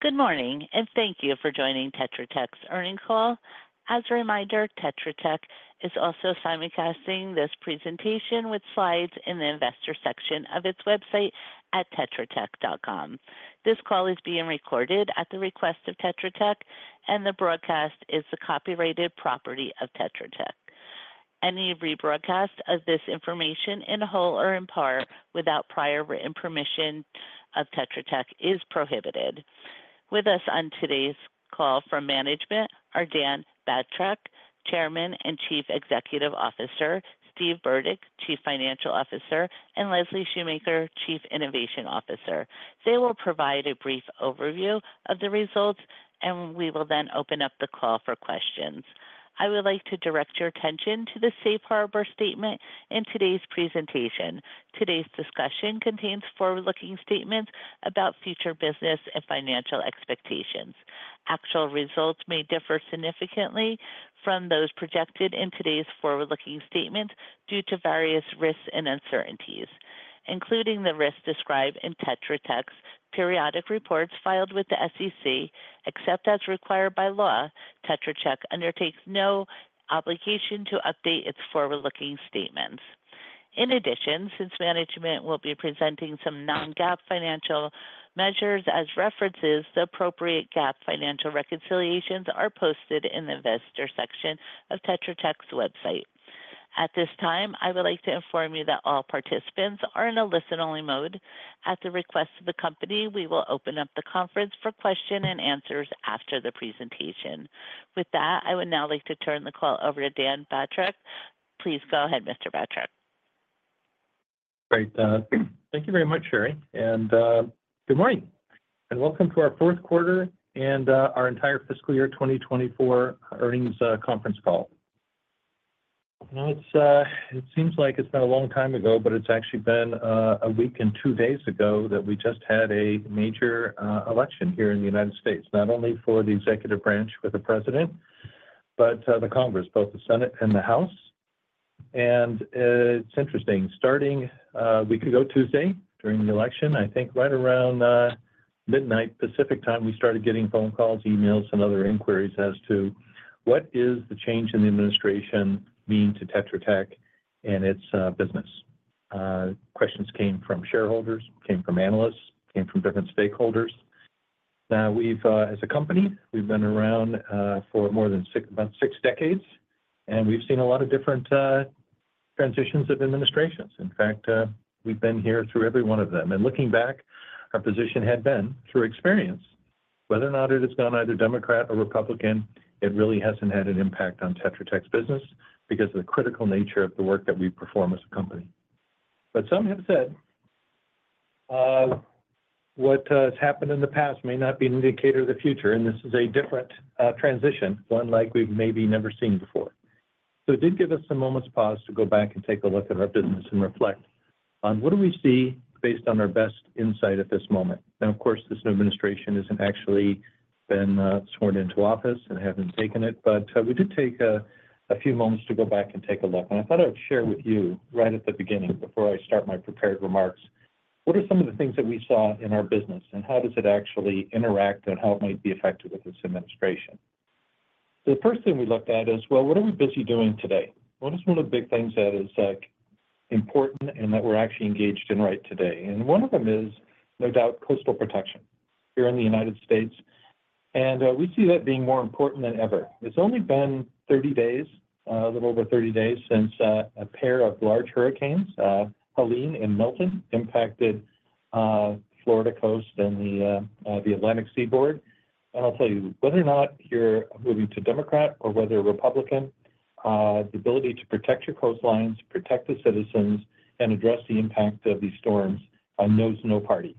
Good morning, and thank you for joining Tetra Tech's earnings call. As a reminder, Tetra Tech is also simulcasting this presentation with slides in the investor section of its website at tetratech.com. This call is being recorded at the request of Tetra Tech, and the broadcast is the copyrighted property of Tetra Tech. Any rebroadcast of this information, in whole or in part, without prior written permission of Tetra Tech is prohibited. With us on today's call from management are Dan Batrack, Chairman and Chief Executive Officer, Steven Burdick, Chief Financial Officer, and Leslie Shoemaker, Chief Innovation Officer. They will provide a brief overview of the results, and we will then open up the call for questions. I would like to direct your attention to the Safe Harbor Statement in today's presentation. Today's discussion contains forward-looking statements about future business and financial expectations. Actual results may differ significantly from those projected in today's forward-looking statements due to various risks and uncertainties, including the risks described in Tetra Tech's periodic reports filed with the SEC, except as required by law. Tetra Tech undertakes no obligation to update its forward-looking statements. In addition, since management will be presenting some Non-GAAP financial measures as references, the appropriate GAAP financial reconciliations are posted in the investor section of Tetra Tech's website. At this time, I would like to inform you that all participants are in a listen-only mode. At the request of the company, we will open up the conference for questions and answers after the presentation. With that, I would now like to turn the call over to Dan Batrack. Please go ahead, Mr. Batrack. Great. Thank you very much, Sherri. And good morning, and welcome to our fourth quarter and our entire fiscal year 2024 earnings conference call. It seems like it's been a long time ago, but it's actually been a week and two days ago that we just had a major election here in the United States, not only for the executive branch with the president, but the Congress, both the Senate and the House. And it's interesting. Starting, we could go Tuesday during the election. I think right around midnight Pacific time, we started getting phone calls, emails, and other inquiries as to what is the change in the administration meaning to Tetra Tech and its business. Questions came from shareholders, came from analysts, came from different stakeholders. Now, as a company, we've been around for more than about six decades, and we've seen a lot of different transitions of administrations. In fact, we've been here through every one of them, and looking back, our position had been through experience, whether or not it has gone either Democrat or Republican. It really hasn't had an impact on Tetra Tech's business because of the critical nature of the work that we perform as a company, but some have said what has happened in the past may not be an indicator of the future, and this is a different transition, one like we've maybe never seen before, so it did give us some moments' pause to go back and take a look at our business and reflect on what do we see based on our best insight at this moment. Now, of course, this new administration hasn't actually been sworn into office and hasn't taken it, but we did take a few moments to go back and take a look. I thought I would share with you right at the beginning, before I start my prepared remarks, what are some of the things that we saw in our business, and how does it actually interact, and how it might be affected with this administration? The first thing we looked at is, well, what are we busy doing today? What is one of the big things that is important and that we're actually engaged in right today? And one of them is, no doubt, coastal protection here in the United States. And we see that being more important than ever. It's only been 30 days, a little over 30 days, since a pair of large hurricanes, Helene and Milton, impacted Florida coast and the Atlantic Seaboard. I'll tell you, whether or not you're moving to Democrat or whether Republican, the ability to protect your coastlines, protect the citizens, and address the impact of these storms knows no party.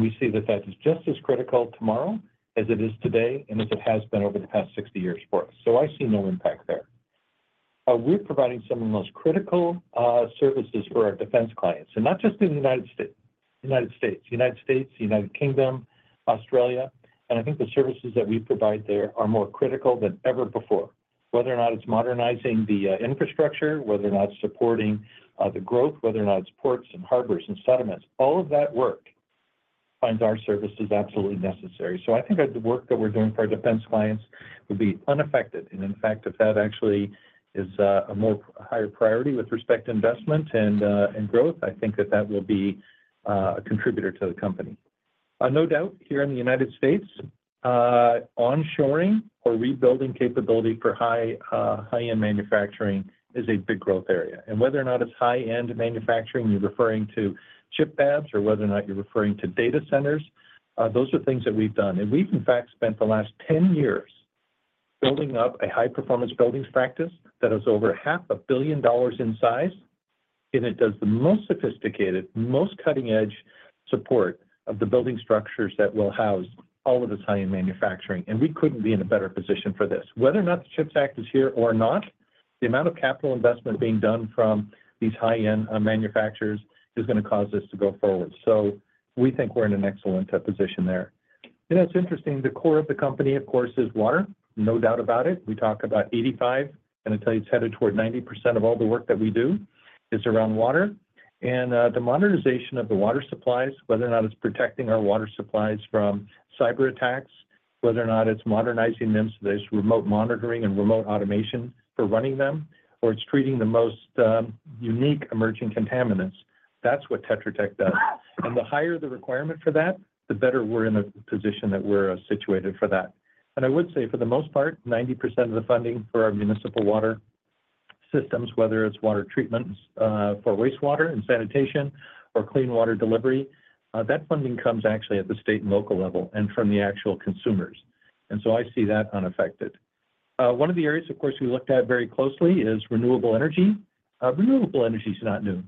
We see that that is just as critical tomorrow as it is today and as it has been over the past 60 years for us. I see no impact there. We're providing some of the most critical services for our defense clients, and not just in the United States. The United States, the United Kingdom, Australia. I think the services that we provide there are more critical than ever before. Whether or not it's modernizing the infrastructure, whether or not it's supporting the growth, whether or not it's ports and harbors and settlements, all of that work finds our services absolutely necessary. So I think the work that we're doing for our defense clients will be unaffected. And in fact, if that actually is a higher priority with respect to investment and growth, I think that that will be a contributor to the company. No doubt, here in the United States, onshoring or rebuilding capability for high-end manufacturing is a big growth area. And whether or not it's high-end manufacturing, you're referring to chip fabs or whether or not you're referring to data centers, those are things that we've done. And we've, in fact, spent the last 10 years building up a high-performance buildings practice that is over $500 million in size, and it does the most sophisticated, most cutting-edge support of the building structures that will house all of this high-end manufacturing. And we couldn't be in a better position for this. Whether or not the CHIPS Act is here or not, the amount of capital investment being done from these high-end manufacturers is going to cause us to go forward. We think we're in an excellent position there. It's interesting, the core of the company, of course, is water. No doubt about it. We talk about 85%, and I'd tell you it's headed toward 90% of all the work that we do is around water. The modernization of the water supplies, whether or not it's protecting our water supplies from cyberattacks, whether or not it's modernizing them so there's remote monitoring and remote automation for running them, or it's treating the most unique emerging contaminants, that's what Tetra Tech does. The higher the requirement for that, the better we're in a position that we're situated for that. I would say, for the most part, 90% of the funding for our municipal water systems, whether it's water treatments for wastewater and sanitation or clean water delivery, that funding comes actually at the state and local level and from the actual consumers. And so I see that unaffected. One of the areas, of course, we looked at very closely is renewable energy. Renewable energy is not new.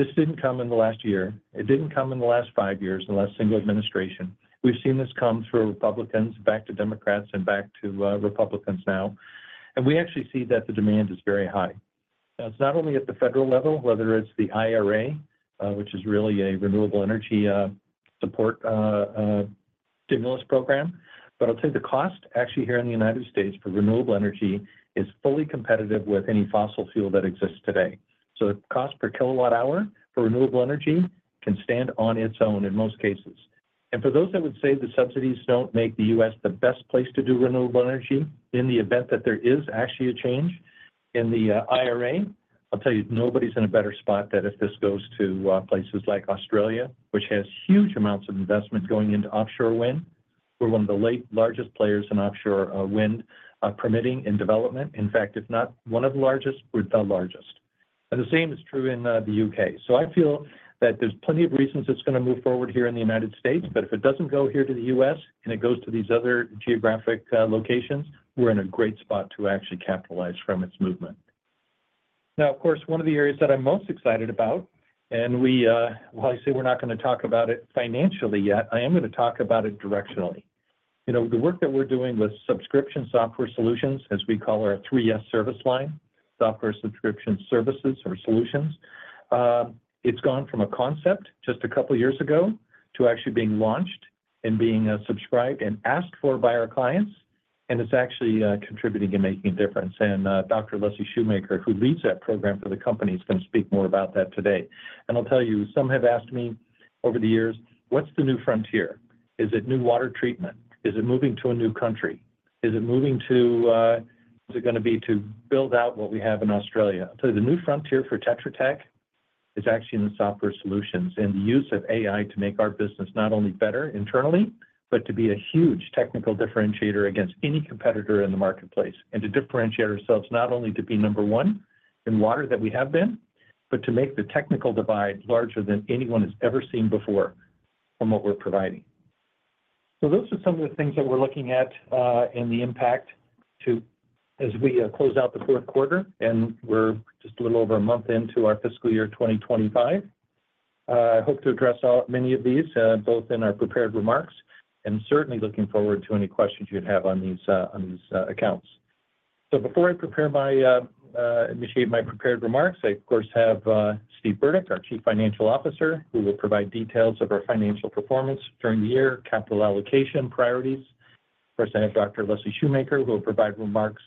This didn't come in the last year. It didn't come in the last five years in the last single administration. We've seen this come through Republicans, back to Democrats, and back to Republicans now. And we actually see that the demand is very high. Now, it's not only at the federal level, whether it's the IRA, which is really a renewable energy support stimulus program, but I'll tell you the cost actually here in the United States for renewable energy is fully competitive with any fossil fuel that exists today. So the cost per kilowatt-hour for renewable energy can stand on its own in most cases. And for those that would say the subsidies don't make the U.S. the best place to do renewable energy, in the event that there is actually a change in the IRA, I'll tell you nobody's in a better spot than if this goes to places like Australia, which has huge amounts of investment going into offshore wind. We're one of the largest players in offshore wind permitting and development. In fact, if not one of the largest, we're the largest. And the same is true in the U.K. So I feel that there's plenty of reasons it's going to move forward here in the United States, but if it doesn't go here to the U.S. and it goes to these other geographic locations, we're in a great spot to actually capitalize from its movement. Now, of course, one of the areas that I'm most excited about, and while I say we're not going to talk about it financially yet, I am going to talk about it directionally. The work that we're doing with subscription software solutions, as we call our 3S service line, software subscription services or solutions, it's gone from a concept just a couple of years ago to actually being launched and being subscribed and asked for by our clients, and it's actually contributing and making a difference. And Dr. Leslie Shoemaker, who leads that program for the company, is going to speak more about that today, and I'll tell you, some have asked me over the years, what's the new frontier? Is it new water treatment? Is it moving to a new country? Is it going to be to build out what we have in Australia? I'll tell you, the new frontier for Tetra Tech is actually in the software solutions and the use of AI to make our business not only better internally, but to be a huge technical differentiator against any competitor in the marketplace and to differentiate ourselves not only to be number one in water that we have been, but to make the technical divide larger than anyone has ever seen before from what we're providing. So those are some of the things that we're looking at and the impact as we close out the fourth quarter, and we're just a little over a month into our fiscal year 2025. I hope to address many of these both in our prepared remarks and certainly looking forward to any questions you'd have on these accounts. So before I initiate my prepared remarks, I, of course, have Steve Burdick, our Chief Financial Officer, who will provide details of our financial performance during the year, capital allocation priorities. Of course, I have Dr. Leslie Shoemaker, who will provide remarks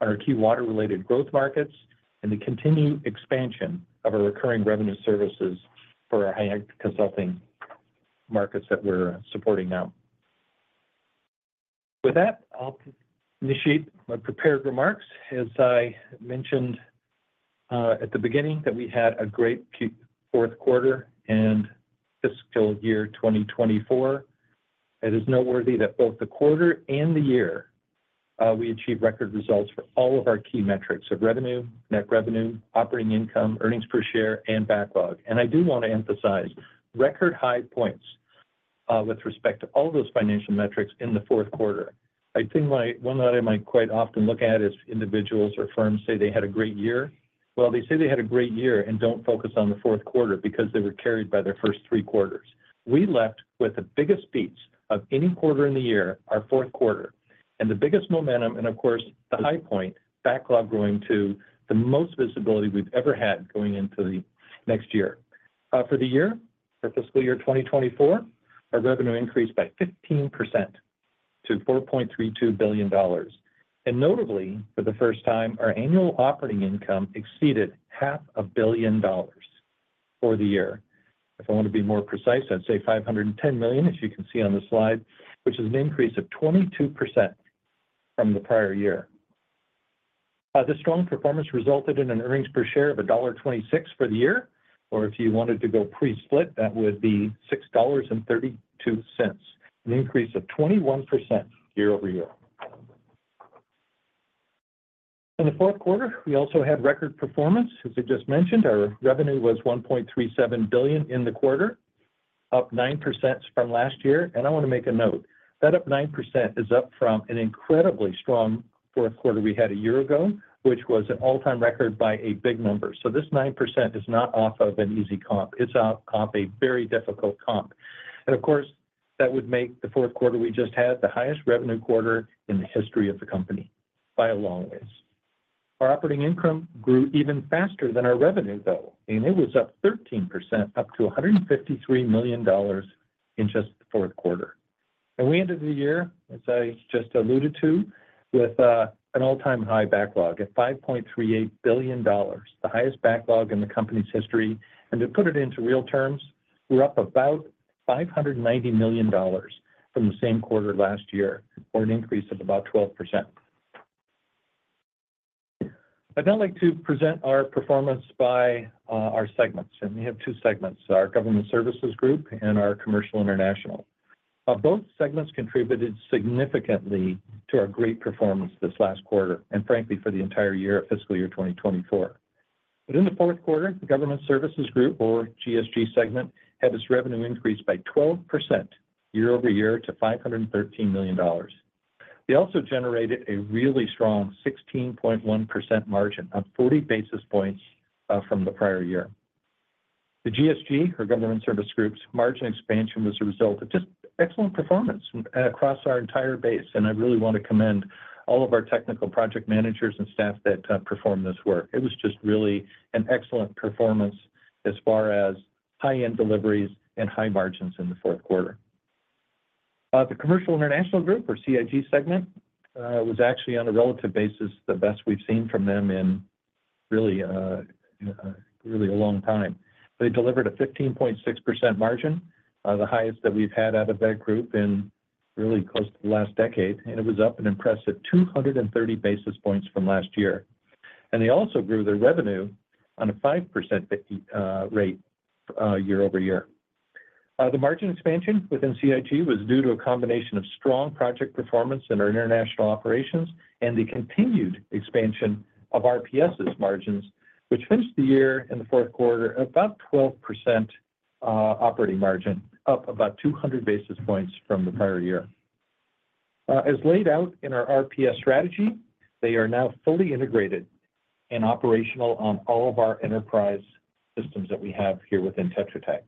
on our key water-related growth markets and the continued expansion of our recurring revenue services for our high-end consulting markets that we're supporting now. With that, I'll initiate my prepared remarks. As I mentioned at the beginning, that we had a great fourth quarter and fiscal year 2024. It is noteworthy that both the quarter and the year we achieved record results for all of our key metrics of revenue, net revenue, operating income, earnings per share, and backlog, and I do want to emphasize record high points with respect to all those financial metrics in the fourth quarter. I think one that I might quite often look at is individuals or firms say they had a great year, well, they say they had a great year and don't focus on the fourth quarter because they were carried by their first three quarters. We left with the biggest beats of any quarter in the year, our fourth quarter, and the biggest momentum, and of course, the high point, backlog growing to the most visibility we've ever had going into the next year. For the year, for fiscal year 2024, our revenue increased by 15% to $4.32 billion. Notably, for the first time, our annual operating income exceeded $500 million for the year. If I want to be more precise, I'd say $510 million, as you can see on the slide, which is an increase of 22% from the prior year. The strong performance resulted in an earnings per share of $1.26 for the year, or if you wanted to go pre-split, that would be $6.32, an increase of 21% year-over-year. In the fourth quarter, we also had record performance, as I just mentioned. Our revenue was $1.37 billion in the quarter, up 9% from last year. And I want to make a note. That up 9% is up from an incredibly strong fourth quarter we had a year ago, which was an all-time record by a big number. This 9% is not off of an easy comp. It's off a very difficult comp, and of course, that would make the fourth quarter we just had the highest revenue quarter in the history of the company by a long ways. Our operating income grew even faster than our revenue, though, and it was up 13%, up to $153 million in just the fourth quarter. We ended the year, as I just alluded to, with an all-time high backlog at $5.38 billion, the highest backlog in the company's history, and to put it into real terms, we're up about $590 million from the same quarter last year, or an increase of about 12%. I'd now like to present our performance by our segments, and we have two segments, our government services group and our commercial international. Both segments contributed significantly to our great performance this last quarter and, frankly, for the entire year of fiscal year 2024. Within the fourth quarter, the government services group, or GSG segment, had its revenue increase by 12% year-over-year to $513 million. They also generated a really strong 16.1% margin of 40 basis points from the prior year. The GSG, or government service groups, margin expansion was a result of just excellent performance across our entire base. And I really want to commend all of our technical project managers and staff that performed this work. It was just really an excellent performance as far as high-end deliveries and high margins in the fourth quarter. The commercial international group, or CIG segment, was actually on a relative basis the best we've seen from them in really a long time. They delivered a 15.6% margin, the highest that we've had out of that group in really close to the last decade, and it was up an impressive 230 basis points from last year, and they also grew their revenue on a 5% rate year-over-year. The margin expansion within CIG was due to a combination of strong project performance in our international operations and the continued expansion of RPS's margins, which finished the year in the fourth quarter at about 12% operating margin, up about 200 basis points from the prior year. As laid out in our RPS strategy, they are now fully integrated and operational on all of our enterprise systems that we have here within Tetra Tech,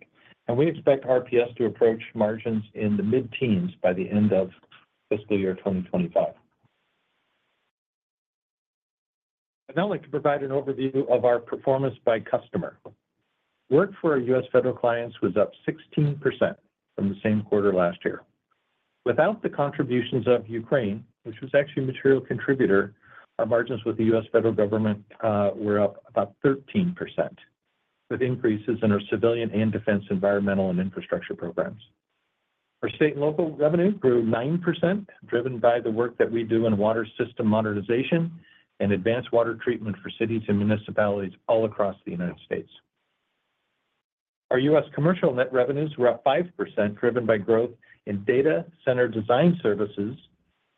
and we expect RPS to approach margins in the mid-teens by the end of fiscal year 2025. I'd now like to provide an overview of our performance by customer. Work for our U.S. federal clients was up 16% from the same quarter last year. Without the contributions of Ukraine, which was actually a material contributor, our margins with the U.S. federal government were up about 13%, with increases in our civilian and defense environmental and infrastructure programs. Our state and local revenue grew 9%, driven by the work that we do in water system modernization and advanced water treatment for cities and municipalities all across the United States. Our U.S. commercial net revenues were up 5%, driven by growth in data center design services,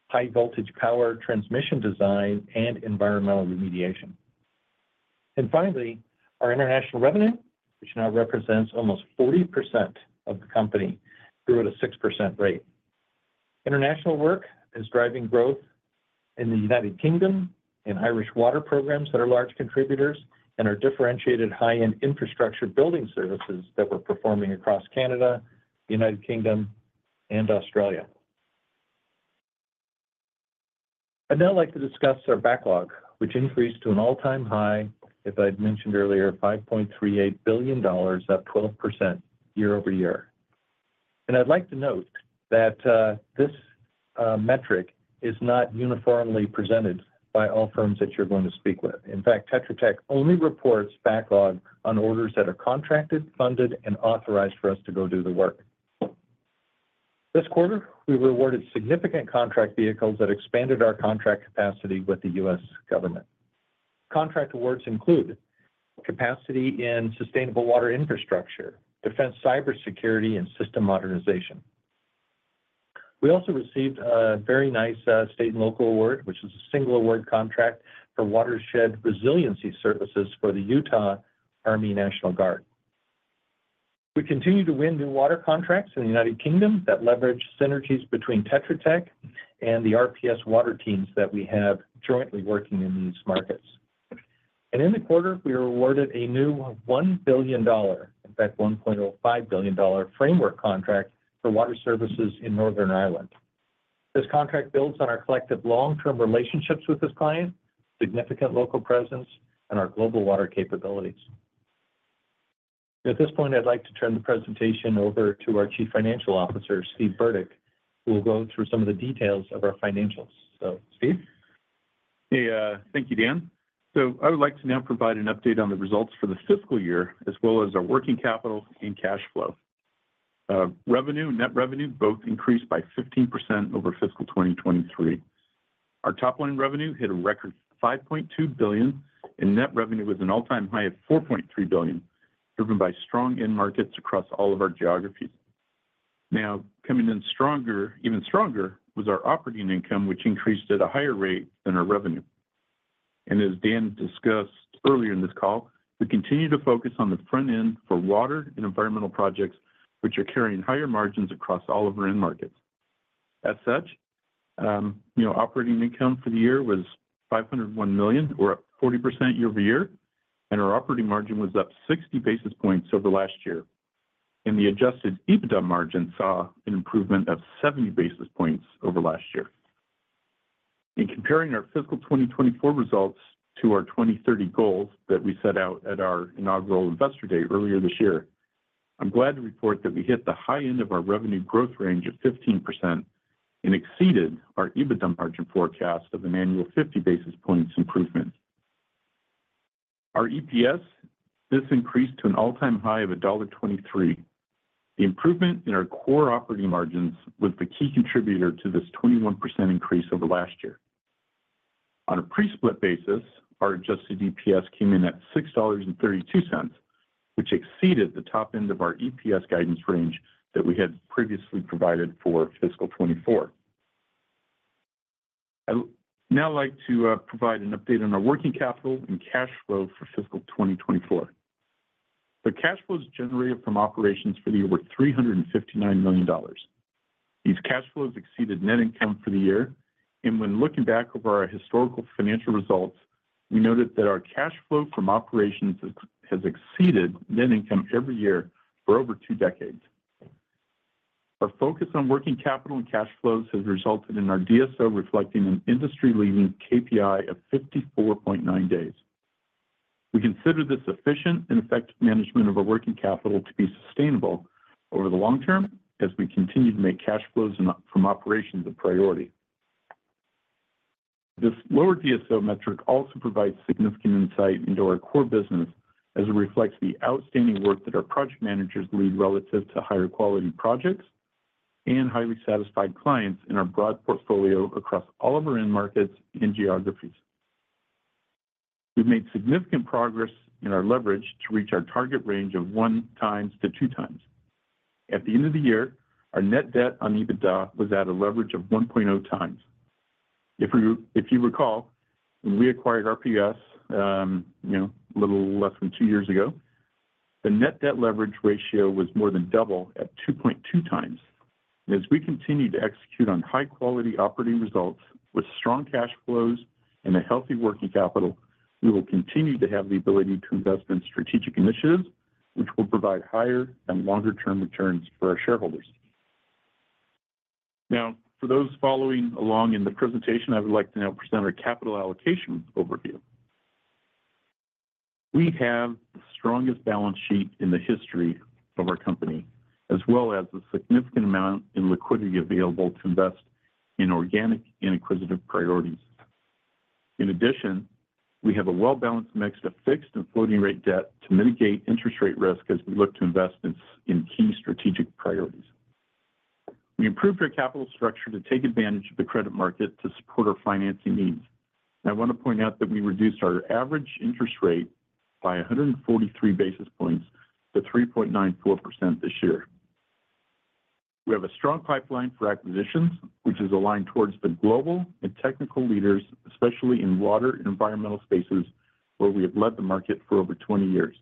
high-voltage power transmission design, and environmental remediation. Finally, our international revenue, which now represents almost 40% of the company, grew at a 6% rate. International work is driving growth in the United Kingdom and Irish water programs, that are large contributors, and our differentiated high-end infrastructure building services that we're performing across Canada, the United Kingdom, and Australia. I'd now like to discuss our backlog, which increased to an all-time high, as I'd mentioned earlier, $5.38 billion, up 12% year-over-year, and I'd like to note that this metric is not uniformly presented by all firms that you're going to speak with. In fact, Tetra Tech only reports backlog on orders that are contracted, funded, and authorized for us to go do the work. This quarter, we were awarded significant contract vehicles that expanded our contract capacity with the U.S. government. Contract awards include capacity in sustainable water infrastructure, defense cybersecurity, and system modernization. We also received a very nice state and local award, which is a single award contract for watershed resiliency services for the Utah Army National Guard. We continue to win new water contracts in the United Kingdom that leverage synergies between Tetra Tech and the RPS water teams that we have jointly working in these markets. And in the quarter, we were awarded a new $1 billion, in fact, $1.05 billion framework contract for water services in Northern Ireland. This contract builds on our collective long-term relationships with this client, significant local presence, and our global water capabilities. At this point, I'd like to turn the presentation over to our Chief Financial Officer, Steve Burdick, who will go through some of the details of our financials. So, Steve. Thank you, Dan. I would like to now provide an update on the results for the fiscal year, as well as our working capital and cash flow. Revenue and net revenue both increased by 15% over fiscal 2023. Our top line revenue hit a record $5.2 billion, and net revenue was an all-time high of $4.3 billion, driven by strong end markets across all of our geographies. Now, coming in stronger, even stronger, was our operating income, which increased at a higher rate than our revenue. As Dan discussed earlier in this call, we continue to focus on the front end for water and environmental projects, which are carrying higher margins across all of our end markets. As such, operating income for the year was $501 million, or up 40% year-over-year, and our operating margin was up 60 basis points over last year. And the adjusted EBITDA margin saw an improvement of 70 basis points over last year. In comparing our fiscal 2024 results to our 2030 goals that we set out at our inaugural Investor Day earlier this year, I'm glad to report that we hit the high end of our revenue growth range of 15% and exceeded our EBITDA margin forecast of an annual 50 basis points improvement. Our EPS, this increased to an all-time high of $1.23. The improvement in our core operating margins was the key contributor to this 21% increase over last year. On a pre-split basis, our adjusted EPS came in at $6.32, which exceeded the top end of our EPS guidance range that we had previously provided for fiscal 2024. I'd now like to provide an update on our working capital and cash flow for fiscal 2024. The cash flows generated from operations for the year were $359 million. These cash flows exceeded net income for the year. When looking back over our historical financial results, we noted that our cash flow from operations has exceeded net income every year for over two decades. Our focus on working capital and cash flows has resulted in our DSO reflecting an industry-leading KPI of 54.9 days. We consider this efficient and effective management of our working capital to be sustainable over the long term as we continue to make cash flows from operations a priority. This lower DSO metric also provides significant insight into our core business as it reflects the outstanding work that our project managers lead relative to higher quality projects and highly satisfied clients in our broad portfolio across all of our end markets and geographies. We've made significant progress in our leverage to reach our target range of one times to two times. At the end of the year, our net debt to EBITDA was at a leverage of 1.0x. If you recall, when we acquired RPS a little less than two years ago, the net debt leverage ratio was more than double at 2.2x. As we continue to execute on high-quality operating results with strong cash flows and a healthy working capital, we will continue to have the ability to invest in strategic initiatives, which will provide higher and longer-term returns for our shareholders. Now, for those following along in the presentation, I would like to now present our capital allocation overview. We have the strongest balance sheet in the history of our company, as well as a significant amount in liquidity available to invest in organic and acquisitive priorities. In addition, we have a well-balanced mix of fixed and floating rate debt to mitigate interest rate risk as we look to invest in key strategic priorities. We improved our capital structure to take advantage of the credit market to support our financing needs. I want to point out that we reduced our average interest rate by 143 basis points to 3.94% this year. We have a strong pipeline for acquisitions, which is aligned towards the global and technical leaders, especially in water and environmental spaces, where we have led the market for over 20 years.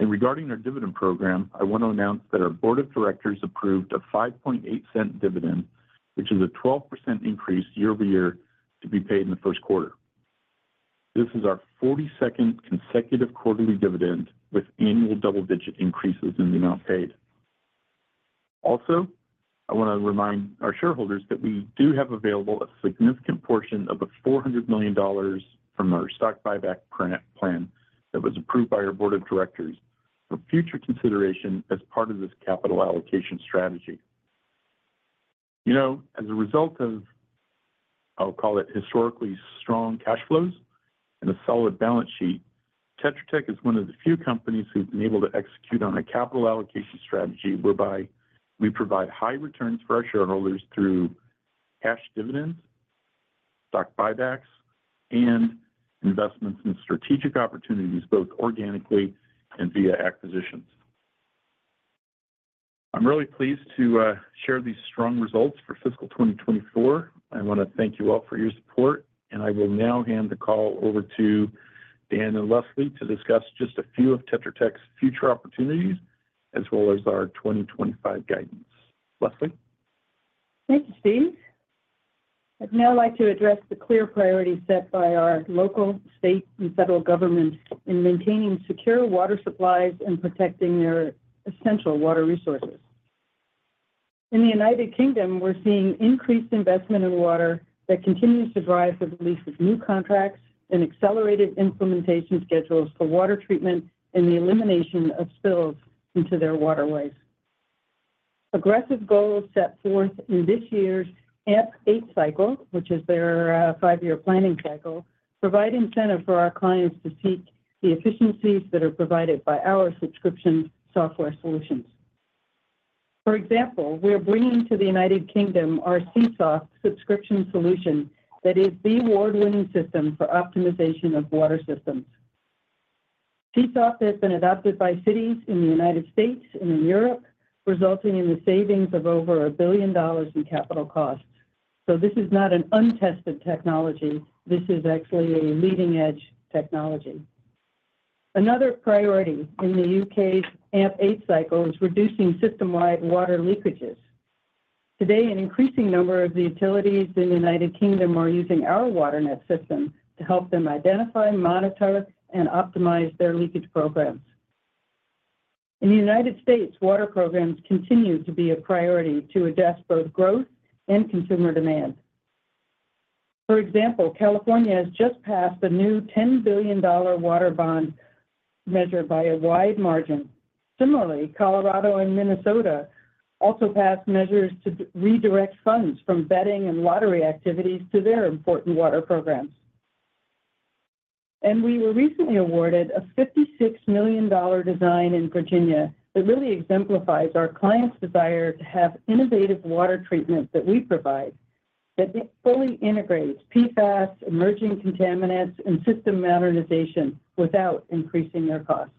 Regarding our dividend program, I want to announce that our board of directors approved a $0.058 dividend, which is a 12% increase year-over-year to be paid in the first quarter. This is our 42nd consecutive quarterly dividend with annual double-digit increases in the amount paid. Also, I want to remind our shareholders that we do have available a significant portion of the $400 million from our stock buyback plan that was approved by our board of directors for future consideration as part of this capital allocation strategy. As a result of, I'll call it, historically strong cash flows and a solid balance sheet, Tetra Tech is one of the few companies who've been able to execute on a capital allocation strategy whereby we provide high returns for our shareholders through cash dividends, stock buybacks, and investments in strategic opportunities, both organically and via acquisitions. I'm really pleased to share these strong results for fiscal 2024. I want to thank you all for your support. And I will now hand the call over to Dan and Leslie to discuss just a few of Tetra Tech's future opportunities, as well as our 2025 guidance. Leslie. Thank you, Steve. I'd now like to address the clear priorities set by our local, state, and federal government in maintaining secure water supplies and protecting their essential water resources. In the United Kingdom, we're seeing increased investment in water that continues to drive the release of new contracts and accelerated implementation schedules for water treatment and the elimination of spills into their waterways. Aggressive goals set forth in this year's AMP8 cycle, which is their five-year planning cycle, provide incentive for our clients to seek the efficiencies that are provided by our subscription software solutions. For example, we are bringing to the United Kingdom our C-Soft subscription solution that is the award-winning system for optimization of water systems. C-Soft has been adopted by cities in the United States and in Europe, resulting in the savings of over $1 billion in capital costs. This is not an untested technology. This is actually a leading-edge technology. Another priority in the U.K.'s AMP8 cycle is reducing system-wide water leakages. Today, an increasing number of the utilities in the United Kingdom are using our WaterNet system to help them identify, monitor, and optimize their leakage programs. In the United States, water programs continue to be a priority to address both growth and consumer demand. For example, California has just passed a new $10 billion water bond measure by a wide margin. Similarly, Colorado and Minnesota also passed measures to redirect funds from betting and lottery activities to their important water programs. We were recently awarded a $56 million design in Virginia that really exemplifies our clients' desire to have innovative water treatment that we provide that fully integrates PFAS, emerging contaminants, and system modernization without increasing their costs.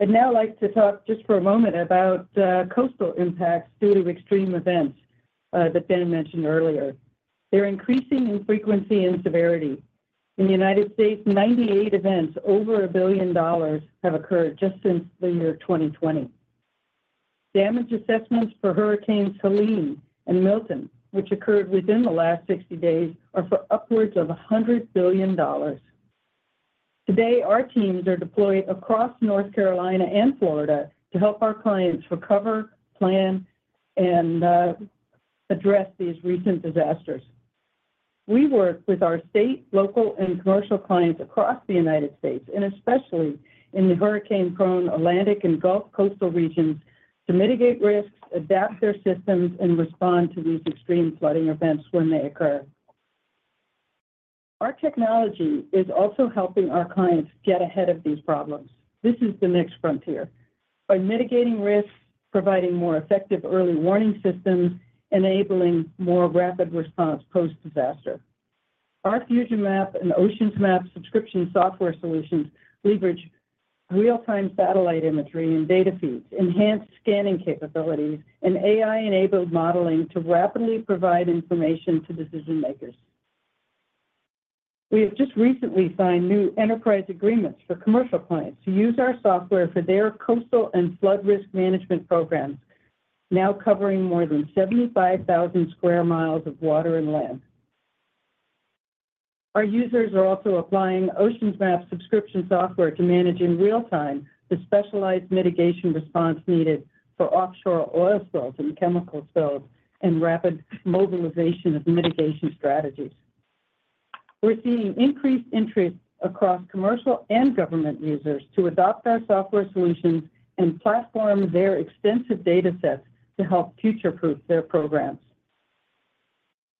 I'd now like to talk just for a moment about coastal impacts due to extreme events that Dan mentioned earlier. They're increasing in frequency and severity. In the United States, 98 events over a billion dollars have occurred just since the year 2020. Damage assessments for Hurricanes Helene and Milton, which occurred within the last 60 days, are for upwards of $100 billion. Today, our teams are deployed across North Carolina and Florida to help our clients recover, plan, and address these recent disasters. We work with our state, local, and commercial clients across the United States, and especially in the hurricane-prone Atlantic and Gulf Coastal regions, to mitigate risks, adapt their systems, and respond to these extreme flooding events when they occur. Our technology is also helping our clients get ahead of these problems. This is the next frontier by mitigating risks, providing more effective early warning systems, and enabling more rapid response post-disaster. Our FusionMap and OceansMap subscription software solutions leverage real-time satellite imagery and data feeds, enhanced scanning capabilities, and AI-enabled modeling to rapidly provide information to decision-makers. We have just recently signed new enterprise agreements for commercial clients to use our software for their coastal and flood risk management programs, now covering more than 75,000 sq mi of water and land. Our users are also applying OceansMap subscription software to manage in real time the specialized mitigation response needed for offshore oil spills and chemical spills and rapid mobilization of mitigation strategies. We're seeing increased interest across commercial and government users to adopt our software solutions and platform their extensive data sets to help future-proof their programs.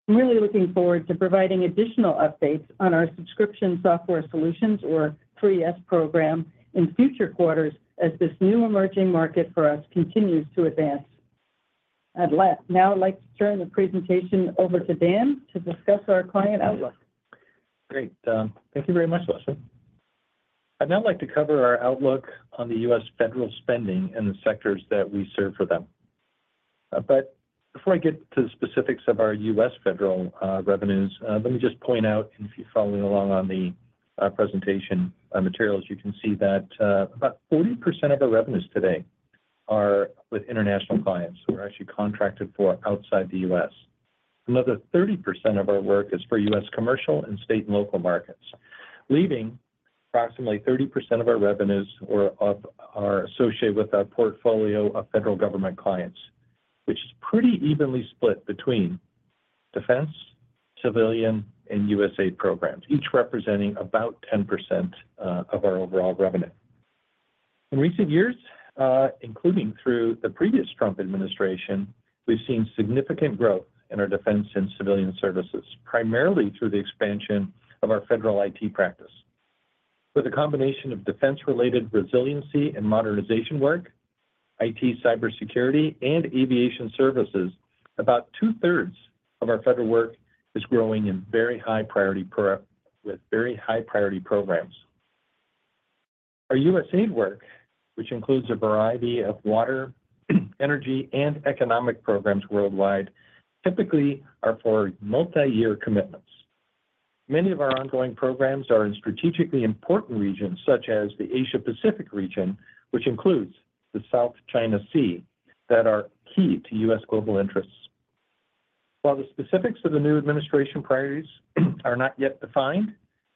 I'm really looking forward to providing additional updates on our subscription software solutions, or 3S program, in future quarters as this new emerging market for us continues to advance. I'd now like to turn the presentation over to Dan to discuss our client outlook. Great. Thank you very much, Leslie. I'd now like to cover our outlook on the U.S. federal spending and the sectors that we serve for them. But before I get to the specifics of our U.S. federal revenues, let me just point out, and if you're following along on the presentation materials, you can see that about 40% of our revenues today are with international clients who are actually contracted for outside the U.S. Another 30% of our work is for U.S. commercial and state and local markets, leaving approximately 30% of our revenues associated with our portfolio of federal government clients, which is pretty evenly split between defense, civilian, and USAID programs, each representing about 10% of our overall revenue. In recent years, including through the previous Trump administration, we've seen significant growth in our defense and civilian services, primarily through the expansion of our federal IT practice. With a combination of defense-related resiliency and modernization work, IT, cybersecurity, and aviation services, about two-thirds of our federal work is growing in very high priority programs. Our USAID work, which includes a variety of water, energy, and economic programs worldwide, typically is for multi-year commitments. Many of our ongoing programs are in strategically important regions such as the Asia-Pacific region, which includes the South China Sea, that are key to U.S. global interests. While the specifics of the new administration priorities are not yet defined,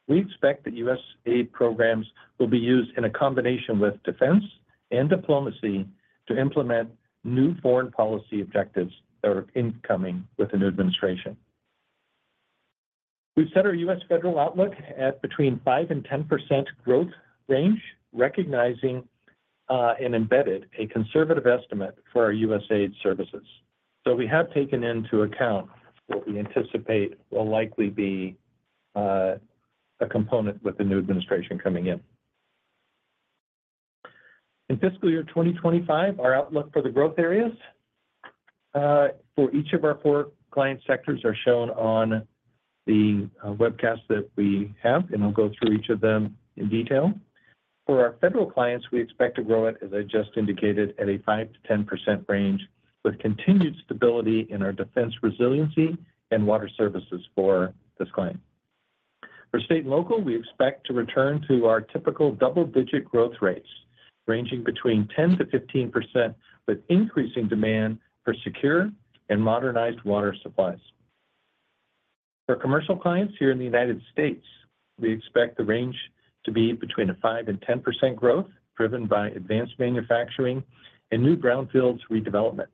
we expect that USAID programs will be used in a combination with defense and diplomacy to implement new foreign policy objectives that are incoming with the new administration. We've set our U.S. federal outlook at between 5% and 10% growth range, recognizing and embedded a conservative estimate for our USAID services. So we have taken into account what we anticipate will likely be a component with the new administration coming in. In fiscal year 2025, our outlook for the growth areas for each of our four client sectors is shown on the webcast that we have, and I'll go through each of them in detail. For our federal clients, we expect to grow, as I just indicated, at a 5%-10% range with continued stability in our defense resiliency and water services for this client. For state and local, we expect to return to our typical double-digit growth rates ranging between 10%-15% with increasing demand for secure and modernized water supplies. For commercial clients here in the United States, we expect the range to be between a five and 10% growth driven by advanced manufacturing and new brownfields redevelopment.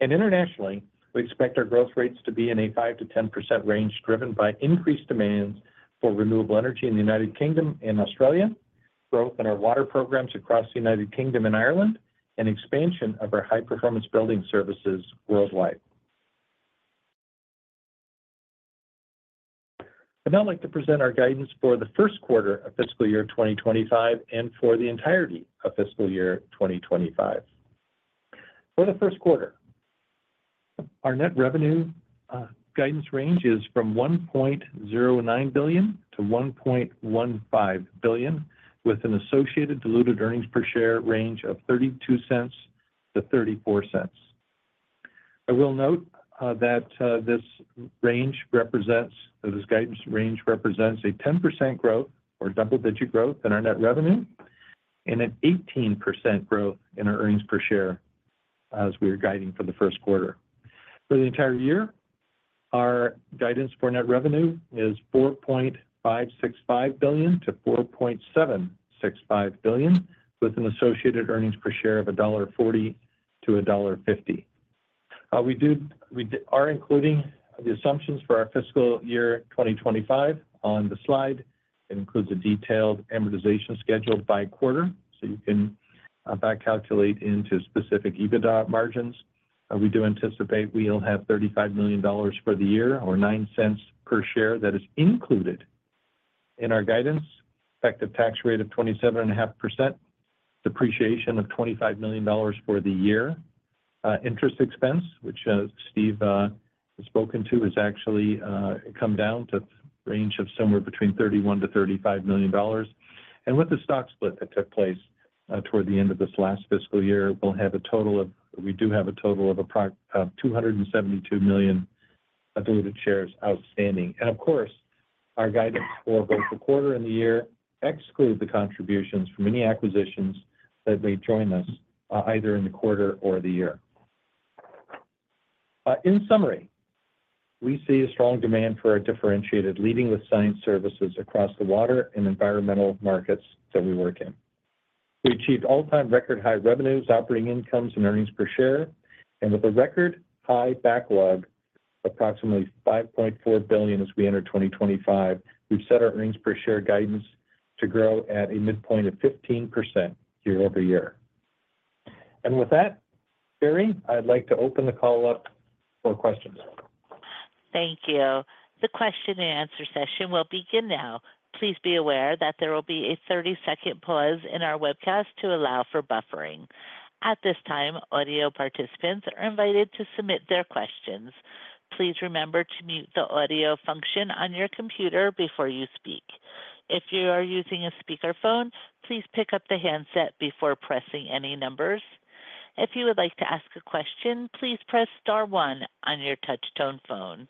And internationally, we expect our growth rates to be in a five to 10% range driven by increased demands for renewable energy in the United Kingdom and Australia, growth in our water programs across the United Kingdom and Ireland, and expansion of our high-performance building services worldwide. I'd now like to present our guidance for the first quarter of fiscal year 2025 and for the entirety of fiscal year 2025. For the first quarter, our net revenue guidance range is from $1.09 billion-$1.15 billion, with an associated diluted earnings per share range of $0.32-$0.34. I will note that this guidance range represents a 10% growth or double-digit growth in our net revenue and an 18% growth in our earnings per share as we are guiding for the first quarter. For the entire year, our guidance for net revenue is $4.565 billion-$4.765 billion, with an associated earnings per share of $1.40-$1.50. We are including the assumptions for our fiscal year 2025 on the slide. It includes a detailed amortization schedule by quarter, so you can back calculate into specific EBITDA margins. We do anticipate we'll have $35 million for the year or $0.09 per share that is included in our guidance, effective tax rate of 27.5%, depreciation of $25 million for the year. Interest expense, which Steve has spoken to, has actually come down to a range of somewhere between $31 million-$35 million. With the stock split that took place toward the end of this last fiscal year, we do have a total of 272 million diluted shares outstanding. Of course, our guidance for both the quarter and the year excludes the contributions from any acquisitions that may join us either in the quarter or the year. In summary, we see a strong demand for our differentiated leading with science services across the water and environmental markets that we work in. We achieved all-time record high revenues, operating incomes, and earnings per share. And with a record high backlog of approximately $5.4 billion as we enter 2025, we've set our earnings per share guidance to grow at a midpoint of 15% year-over-year. And with that, Sherri, I'd like to open the call up for questions. Thank you. The question-and-answer session will begin now. Please be aware that there will be a 30-second pause in our webcast to allow for buffering. At this time, audio participants are invited to submit their questions. Please remember to mute the audio function on your computer before you speak. If you are using a speakerphone, please pick up the handset before pressing any numbers. If you would like to ask a question, please press star one on your touch-tone phone.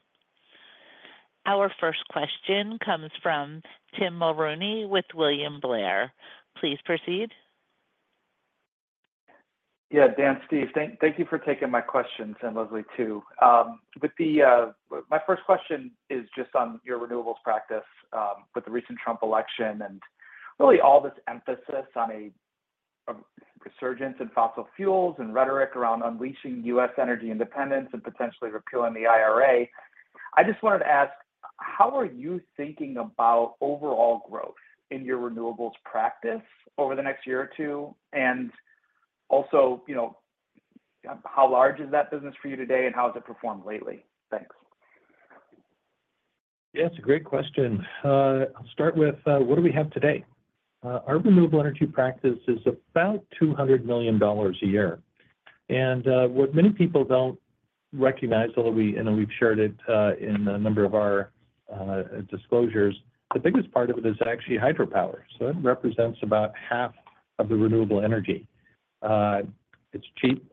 Our first question comes from Tim Mulrooney with William Blair. Please proceed. Yeah, Dan, Steve, thank you for taking my questions, and Leslie too. My first question is just on your renewables practice with the recent Trump election and really all this emphasis on a resurgence in fossil fuels and rhetoric around unleashing U.S. energy independence and potentially repealing the IRA. I just wanted to ask, how are you thinking about overall growth in your renewables practice over the next year or two? And also, how large is that business for you today, and how has it performed lately? Thanks. Yeah, it's a great question. I'll start with what do we have today? Our renewable energy practice is about $200 million a year. And what many people don't recognize, although we've shared it in a number of our disclosures, the biggest part of it is actually hydropower. So it represents about half of the renewable energy. It's cheap,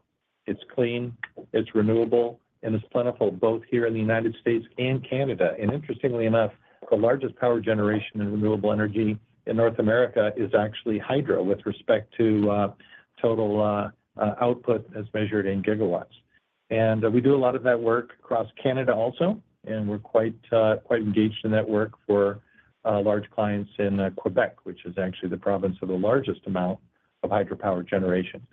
it's clean, it's renewable, and it's plentiful both here in the United States and Canada. And interestingly enough, the largest power generation in renewable energy in North America is actually hydro with respect to total output as measured in gigawatts. And we do a lot of that work across Canada also, and we're quite engaged in that work for large clients in Québec, which is actually the province of the largest amount of hydropower generation.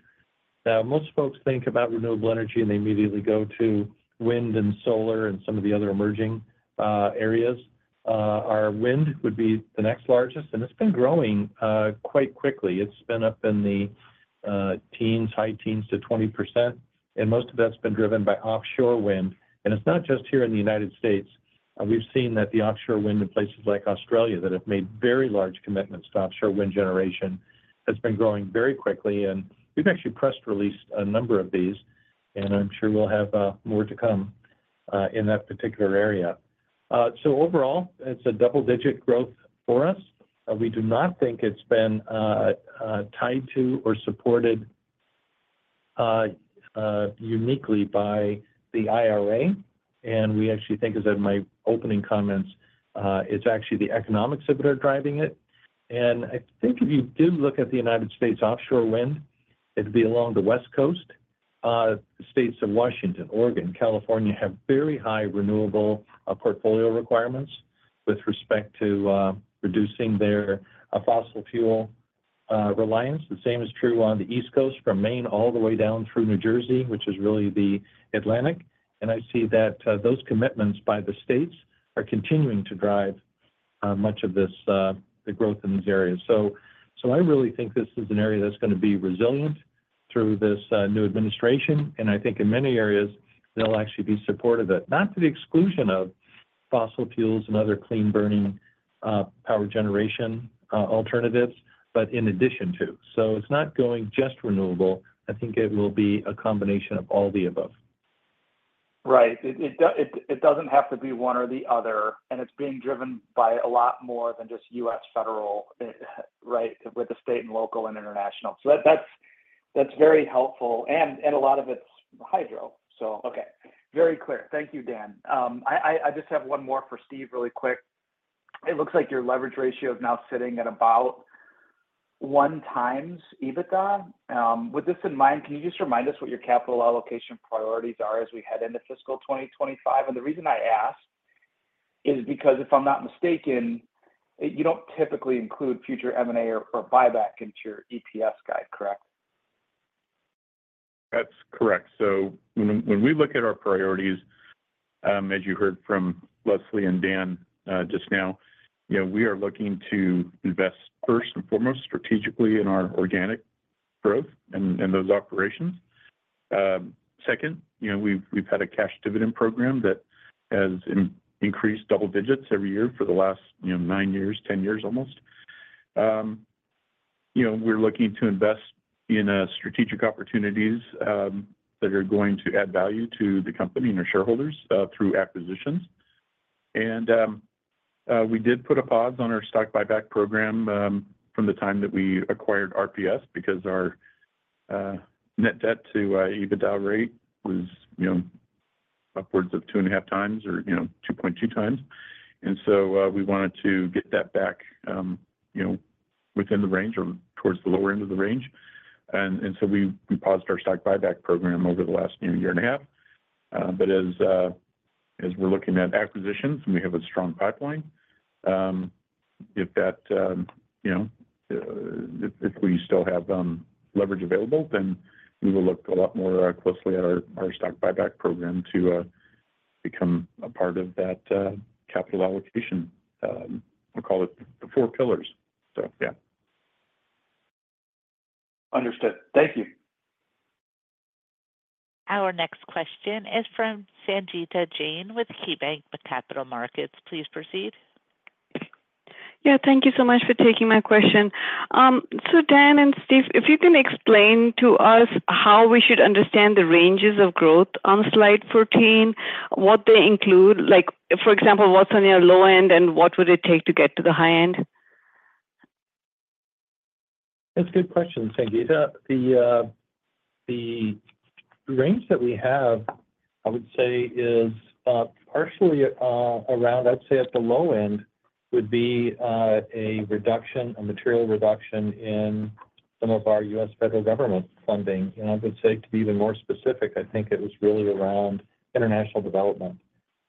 Now, most folks think about renewable energy, and they immediately go to wind and solar and some of the other emerging areas. Our wind would be the next largest, and it's been growing quite quickly. It's been up in the teens, high teens to 20%, and most of that's been driven by offshore wind. And it's not just here in the United States. We've seen that the offshore wind in places like Australia that have made very large commitments to offshore wind generation has been growing very quickly. And we've actually press released a number of these, and I'm sure we'll have more to come in that particular area. So overall, it's a double-digit growth for us. We do not think it's been tied to or supported uniquely by the IRA. And we actually think, as in my opening comments, it's actually the economics of it are driving it. And I think if you do look at the United States offshore wind, it'd be along the West Coast. The states of Washington, Oregon, California have very high renewable portfolio requirements with respect to reducing their fossil fuel reliance. The same is true on the East Coast from Maine all the way down through New Jersey, which is really the Atlantic. And I see that those commitments by the states are continuing to drive much of the growth in these areas. So I really think this is an area that's going to be resilient through this new administration. And I think in many areas, they'll actually be supportive of it, not to the exclusion of fossil fuels and other clean burning power generation alternatives, but in addition to. So it's not going just renewable. I think it will be a combination of all the above. Right. It doesn't have to be one or the other. And it's being driven by a lot more than just U.S. federal, right, with the state and local and international. So that's very helpful. And a lot of it's hydro. So, okay. Very clear. Thank you, Dan. I just have one more for Steve really quick. It looks like your leverage ratio is now sitting at about one times EBITDA. With this in mind, can you just remind us what your capital allocation priorities are as we head into fiscal 2025? And the reason I ask is because if I'm not mistaken, you don't typically include future M&A or buyback into your EPS guide, correct? That's correct. So when we look at our priorities, as you heard from Leslie and Dan just now, we are looking to invest first and foremost strategically in our organic growth and those operations. Second, we've had a cash dividend program that has increased double digits every year for the last nine years, ten years almost. We're looking to invest in strategic opportunities that are going to add value to the company and our shareholders through acquisitions. We did put a pause on our stock buyback program from the time that we acquired RPS because our net debt to EBITDA rate was upwards of two and a half times or 2.2x. And so we wanted to get that back within the range or towards the lower end of the range. And so we paused our stock buyback program over the last year and a half. But as we're looking at acquisitions, we have a strong pipeline. If we still have leverage available, then we will look a lot more closely at our stock buyback program to become a part of that capital allocation. I'll call it the four pillars. So, yeah. Understood. Thank you. Our next question is from Sangita Jain with KeyBanc Capital Markets. Please proceed. Yeah. Thank you so much for taking my question. So, Dan and Steve, if you can explain to us how we should understand the ranges of growth on slide 14, what they include, for example, what's on your low end, and what would it take to get to the high end? That's a good question, Sangita. The range that we have, I would say, is partially around. I'd say at the low end would be a reduction, a material reduction in some of our U.S. federal government funding. And I would say to be even more specific, I think it was really around international development.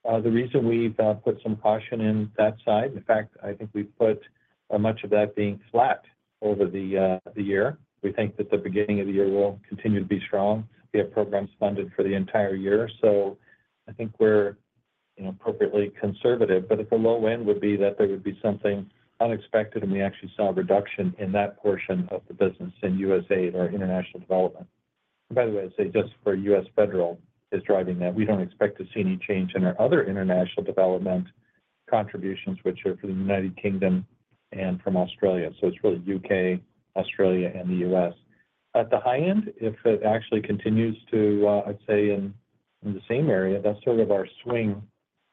The reason we've put some caution in that side, in fact, I think we've put much of that being flat over the year. We think that the beginning of the year will continue to be strong. We have programs funded for the entire year. So I think we're appropriately conservative. But at the low end would be that there would be something unexpected, and we actually saw a reduction in that portion of the business in USAID or international development. By the way, I'd say just for U.S. federal is driving that. We don't expect to see any change in our other international development contributions, which are for the United Kingdom and from Australia. So it's really U.K., Australia, and the U.S. At the high end, if it actually continues to, I'd say, in the same area, that's sort of our swing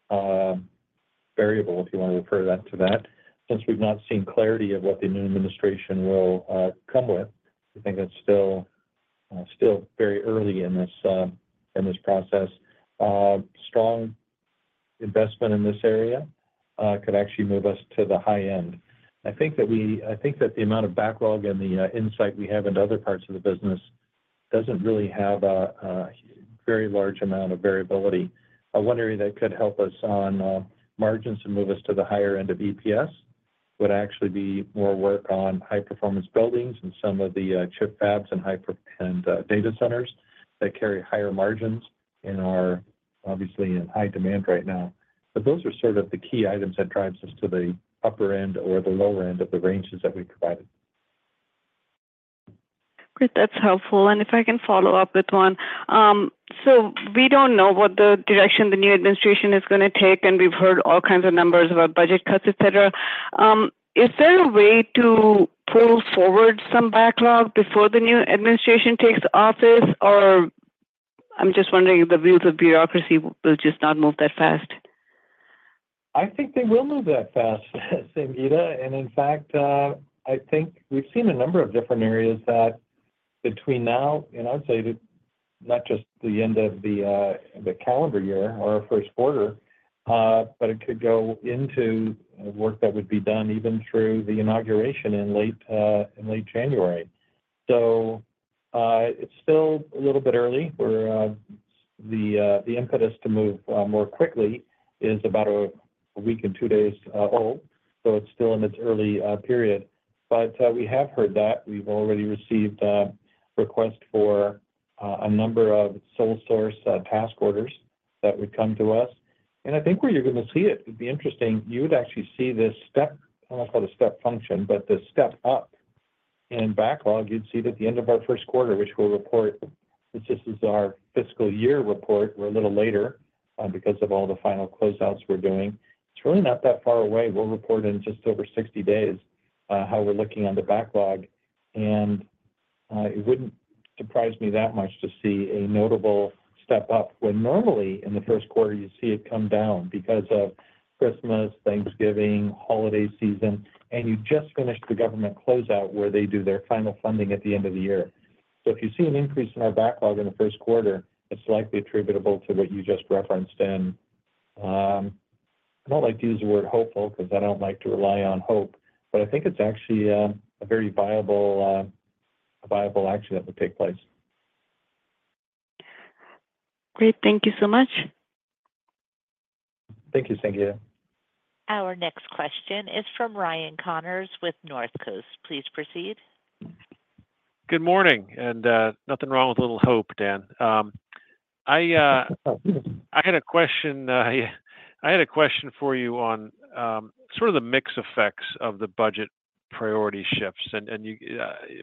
variable, if you want to refer to that. Since we've not seen clarity of what the new administration will come with, I think it's still very early in this process. Strong investment in this area could actually move us to the high end. I think that the amount of backlog and the insight we have in other parts of the business doesn't really have a very large amount of variability. One area that could help us on margins to move us to the higher end of EPS would actually be more work on high-performance buildings and some of the chip fabs and data centers that carry higher margins and are obviously in high demand right now. But those are sort of the key items that drive us to the upper end or the lower end of the ranges that we provided. Great. That's helpful. And if I can follow up with one. So we don't know what the direction the new administration is going to take, and we've heard all kinds of numbers about budget cuts, etc. Is there a way to pull forward some backlog before the new administration takes office? Or, I'm just wondering if the wheels of bureaucracy will just not move that fast. I think they will move that fast, Sangita. And in fact, I think we've seen a number of different areas that between now and I'd say not just the end of the calendar year or our first quarter, but it could go into work that would be done even through the inauguration in late January. So it's still a little bit early. The impetus to move more quickly is about a week and two days old. So it's still in its early period. But we have heard that. We've already received requests for a number of sole source task orders that would come to us. And I think where you're going to see it would be interesting. You would actually see this step. I don't want to call it a step function, but the step up in backlog. You'd see it at the end of our first quarter, which we'll report. This is our fiscal year report. We're a little later because of all the final closeouts we're doing. It's really not that far away. We'll report in just over 60 days how we're looking on the backlog, and it wouldn't surprise me that much to see a notable step up when normally in the first quarter you see it come down because of Christmas, Thanksgiving, holiday season, and you just finished the government closeout where they do their final funding at the end of the year, so if you see an increase in our backlog in the first quarter, it's likely attributable to what you just referenced. And I don't like to use the word hopeful because I don't like to rely on hope. But I think it's actually a very viable action that would take place. Great. Thank you so much. Thank you, Sangita. Our next question is from Ryan Connors with Northcoast. Please proceed. Good morning. And nothing wrong with a little hope, Dan. I had a question for you on sort of the mixed effects of the budget priority shifts. And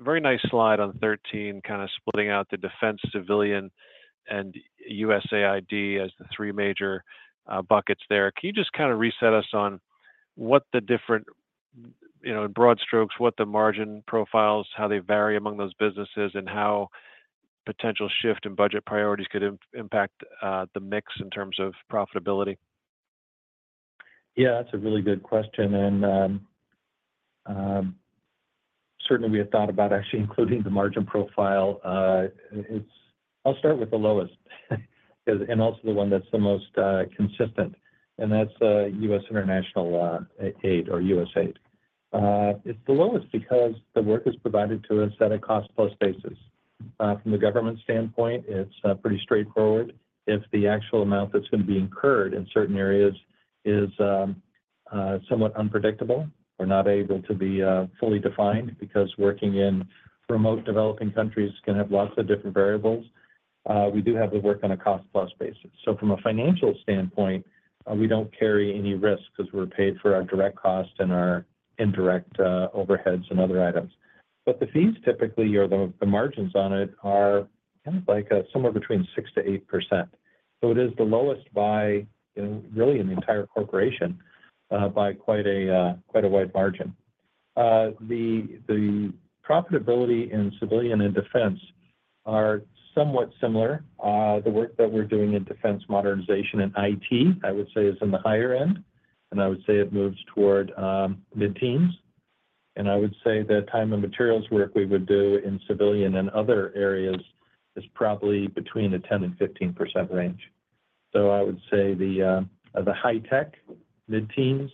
very nice slide on 13, kind of splitting out the defense, civilian, and USAID as the three major buckets there. Can you just kind of reset us on what the different, in broad strokes, what the margin profiles, how they vary among those businesses, and how potential shift in budget priorities could impact the mix in terms of profitability? Yeah, that's a really good question. Certainly, we had thought about actually including the margin profile. I'll start with the lowest and also the one that's the most consistent. That's U.S. international aid or USAID. It's the lowest because the work is provided to us at a cost-plus basis. From the government standpoint, it's pretty straightforward. If the actual amount that's going to be incurred in certain areas is somewhat unpredictable, we're not able to be fully defined because working in remote developing countries can have lots of different variables. We do have to work on a cost-plus basis. So from a financial standpoint, we don't carry any risk because we're paid for our direct costs and our indirect overheads and other items. But the fees typically, or the margins on it, are kind of like somewhere between 6%-8%. So it is the lowest by really in the entire corporation by quite a wide margin. The profitability in civilian and defense are somewhat similar. The work that we're doing in defense modernization and IT, I would say, is in the higher end. And I would say it moves toward mid-teens. And I would say the time and materials work we would do in civilian and other areas is probably between the 10%-15% range. So I would say the high-tech, mid-teens,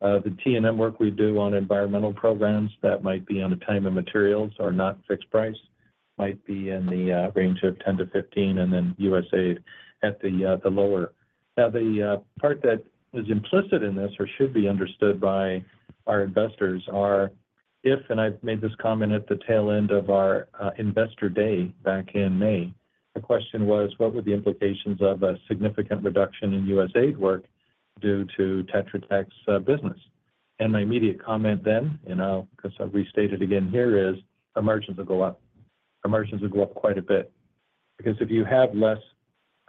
the T&M work we do on environmental programs that might be on a time and materials or not fixed price might be in the range of 10%-15%, and then USAID at the lower. Now, the part that is implicit in this or should be understood by our investors are, if, and I've made this comment at the tail end of our investor day back in May, the question was, what were the implications of a significant reduction in USAID work due to Tetra Tech's business? And my immediate comment then, and I'll restate it again here, is the margins will go up. The margins will go up quite a bit. Because if you have less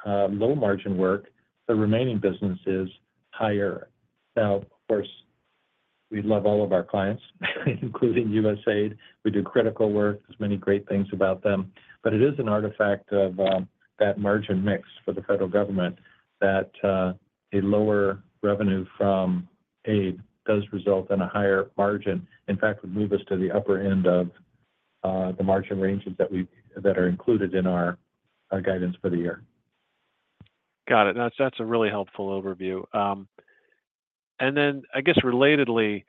low margin work, the remaining business is higher. Now, of course, we love all of our clients, including USAID. We do critical work. There's many great things about them. But it is an artifact of that margin mix for the federal government that a lower revenue from aid does result in a higher margin. In fact, it would move us to the upper end of the margin ranges that are included in our guidance for the year. Got it. That's a really helpful overview. And then, I guess, relatedly,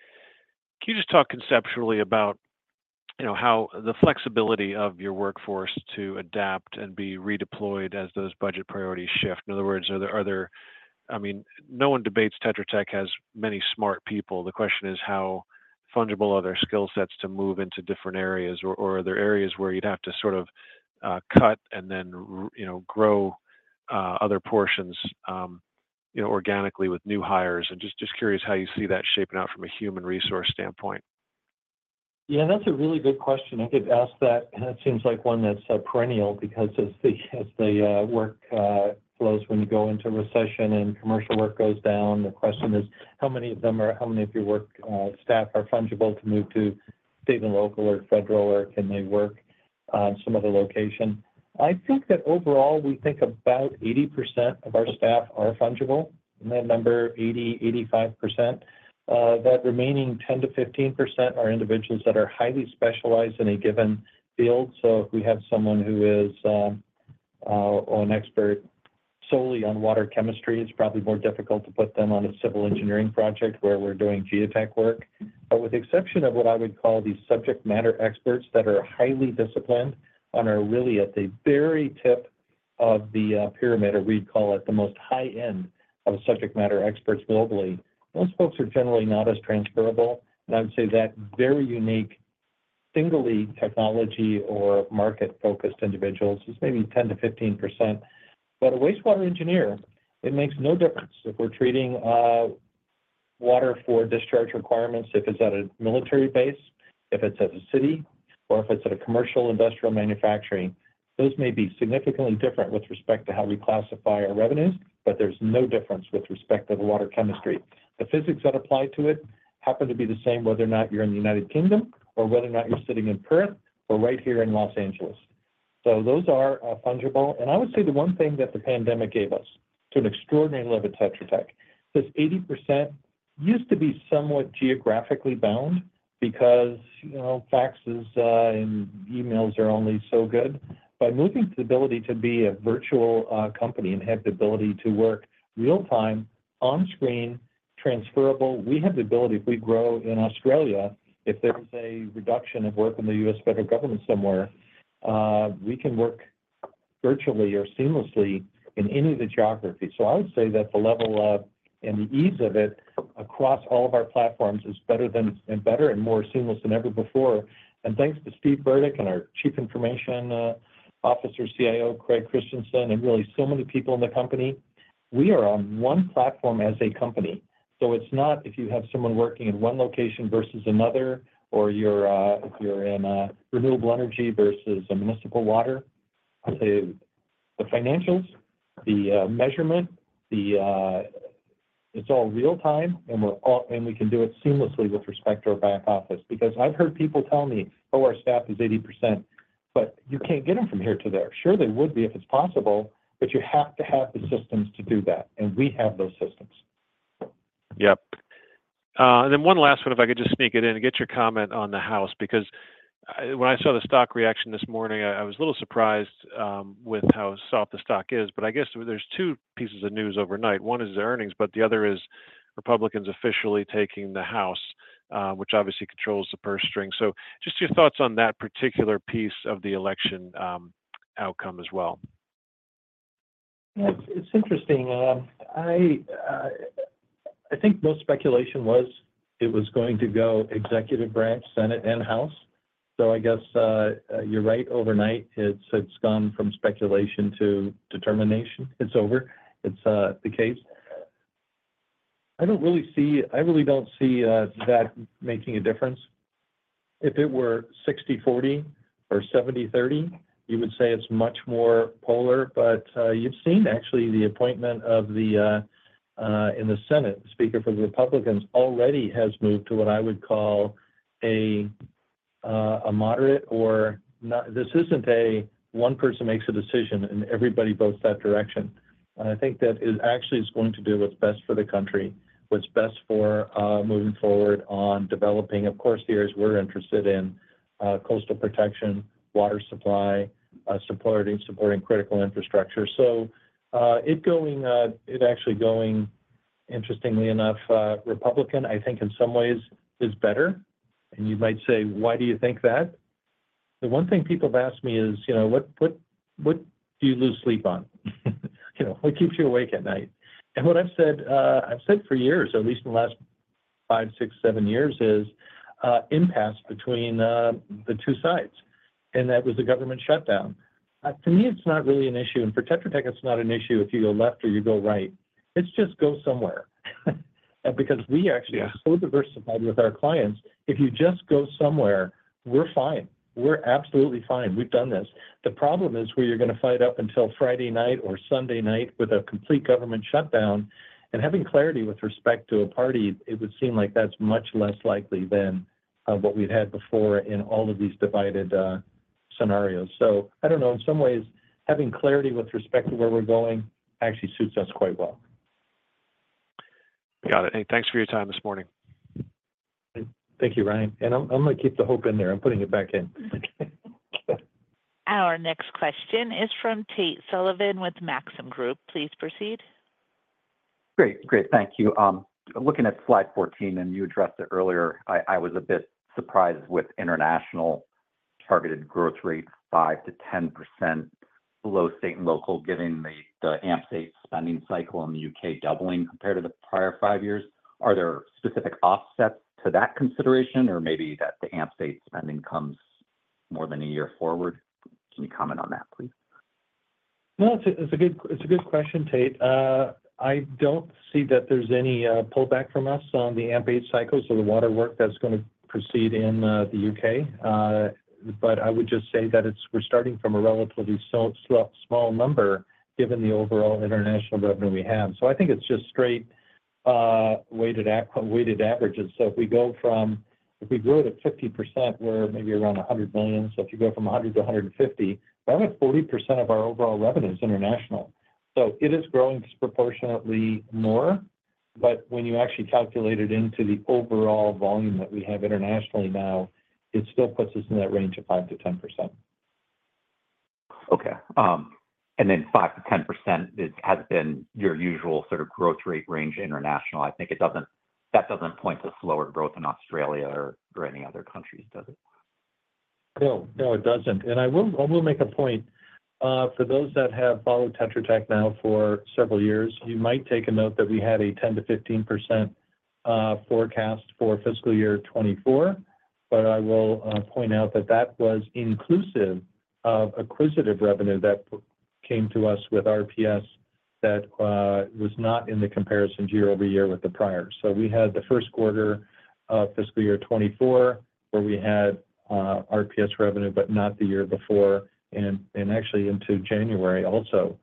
can you just talk conceptually about how the flexibility of your workforce to adapt and be redeployed as those budget priorities shift? In other words, are there—I mean, no one debates Tetra Tech has many smart people. The question is how fungible are their skill sets to move into different areas? Or are there areas where you'd have to sort of cut and then grow other portions organically with new hires? And just curious how you see that shaping out from a human resource standpoint. Yeah, that's a really good question. I could ask that. It seems like one that's perennial because as the work flows when you go into recession and commercial work goes down, the question is, how many of them or how many of your work staff are fungible to move to state and local or federal work, and they work on some other location? I think that overall, we think about 80% of our staff are fungible. And that number, 80%-85%. That remaining 10%-15% are individuals that are highly specialized in a given field. So if we have someone who is an expert solely on water chemistry, it's probably more difficult to put them on a civil engineering project where we're doing geotech work. But with the exception of what I would call the subject matter experts that are highly disciplined and are really at the very tip of the pyramid, or we'd call it the most high-end of subject matter experts globally, those folks are generally not as transferable. And I would say that very unique singularly technology or market-focused individuals is maybe 10%-15%. But a wastewater engineer, it makes no difference if we're treating water for discharge requirements, if it's at a military base, if it's at a city, or if it's at a commercial industrial manufacturing. Those may be significantly different with respect to how we classify our revenues, but there's no difference with respect to the water chemistry. The physics that apply to it happen to be the same whether or not you're in the United Kingdom or whether or not you're sitting in Perth or right here in Los Angeles. So those are fungible. And I would say the one thing that the pandemic gave us to an extraordinary level of Tetra Tech is this 80% used to be somewhat geographically bound because faxes and emails are only so good. By moving to the ability to be a virtual company and have the ability to work real-time, on-screen, transferable, we have the ability if we grow in Australia, if there's a reduction of work in the U.S. federal government somewhere, we can work virtually or seamlessly in any of the geographies. So I would say that the level of and the ease of it across all of our platforms is better and more seamless than ever before. Than ks to Steve Burdick and our Chief Information Officer, CIO, Craig Christensen, and really so many people in the company, we are on one platform as a company. So it's not if you have someone working in one location versus another, or if you're in renewable energy versus municipal water. I'd say the financials, the measurement, it's all real-time, and we can do it seamlessly with respect to our back office. Because I've heard people tell me, "Oh, our staff is 80%." But you can't get them from here to there. Sure, they would be if it's possible, but you have to have the systems to do that. And we have those systems. Yep. And then one last one, if I could just sneak it in. Get your comment on the House. Because when I saw the stock reaction this morning, I was a little surprised with how soft the stock is. But I guess there's two pieces of news overnight. One is the earnings, but the other is Republicans officially taking the House, which obviously controls the purse string. So just your thoughts on that particular piece of the election outcome as well. It's interesting. I think most speculation was it was going to go executive branch, Senate, and House. So I guess you're right. Overnight, it's gone from speculation to determination. It's over. It's the case. I don't really see. I really don't see that making a difference. If it were 60/40 or 70/30, you would say it's much more polar. But you've seen, actually, the appointment of the—in the Senate, the Speaker for the Republicans already has moved to what I would call a moderate or—this isn't a one person makes a decision and everybody votes that direction. And I think that it actually is going to do what's best for the country, what's best for moving forward on developing. Of course, the areas we're interested in: coastal protection, water supply, supporting critical infrastructure. So it actually going, interestingly enough, Republican, I think in some ways is better. And you might say, "Why do you think that?" The one thing people have asked me is, "What do you lose sleep on? What keeps you awake at night?" And what I've said for years, at least in the last five, six, seven years, is impasse between the two sides. And that was the government shutdown. To me, it's not really an issue. And for Tetra Tech, it's not an issue if you go left or you go right. It's just go somewhere. Because we actually are so diversified with our clients, if you just go somewhere, we're fine. We're absolutely fine. We've done this. The problem is where you're going to fight up until Friday night or Sunday night with a complete government shutdown. And having clarity with respect to a party, it would seem like that's much less likely than what we'd had before in all of these divided scenarios. So I don't know. In some ways, having clarity with respect to where we're going actually suits us quite well. Got it. Hey, thanks for your time this morning. Thank you, Ryan. And I'm going to keep the hope in there. I'm putting it back in. Our next question is from Tate Sullivan with Maxim Group. Please proceed. Great. Great. Thank you. Looking at slide 14, and you addressed it earlier, I was a bit surprised with international targeted growth rate 5%-10% below state and local, given the AMP8 spending cycle in the U.K. doubling compared to the prior five years. Are there specific offsets to that consideration, or maybe that the AMP8 spending comes more than a year forward? Can you comment on that, please? No, it's a good question, Tate. I don't see that there's any pullback from us on the AMP8 cycles or the water work that's going to proceed in the U.K. But I would just say that we're starting from a relatively small number given the overall international revenue we have. So I think it's just straight weighted averages. So if we go from, if we grew at a 50%, we're maybe around $100 million. So if you go from $100 million to $150 million, we're at 40% of our overall revenues international. So it is growing disproportionately more. But when you actually calculate it into the overall volume that we have internationally now, it still puts us in that range of 5%-10%. Okay. Then 5%-10% has been your usual sort of growth rate range international. I think that doesn't point to slower growth in Australia or any other countries, does it? No, no, it doesn't. I will make a point. For those that have followed Tetra Tech now for several years, you might take a note that we had a 10%-15% forecast for fiscal year 2024. But I will point out that that was inclusive of acquisitive revenue that came to us with RPS that was not in the comparison year over year with the prior. So we had the first quarter of fiscal year 2024 where we had RPS revenue, but not the year before and actually into January also.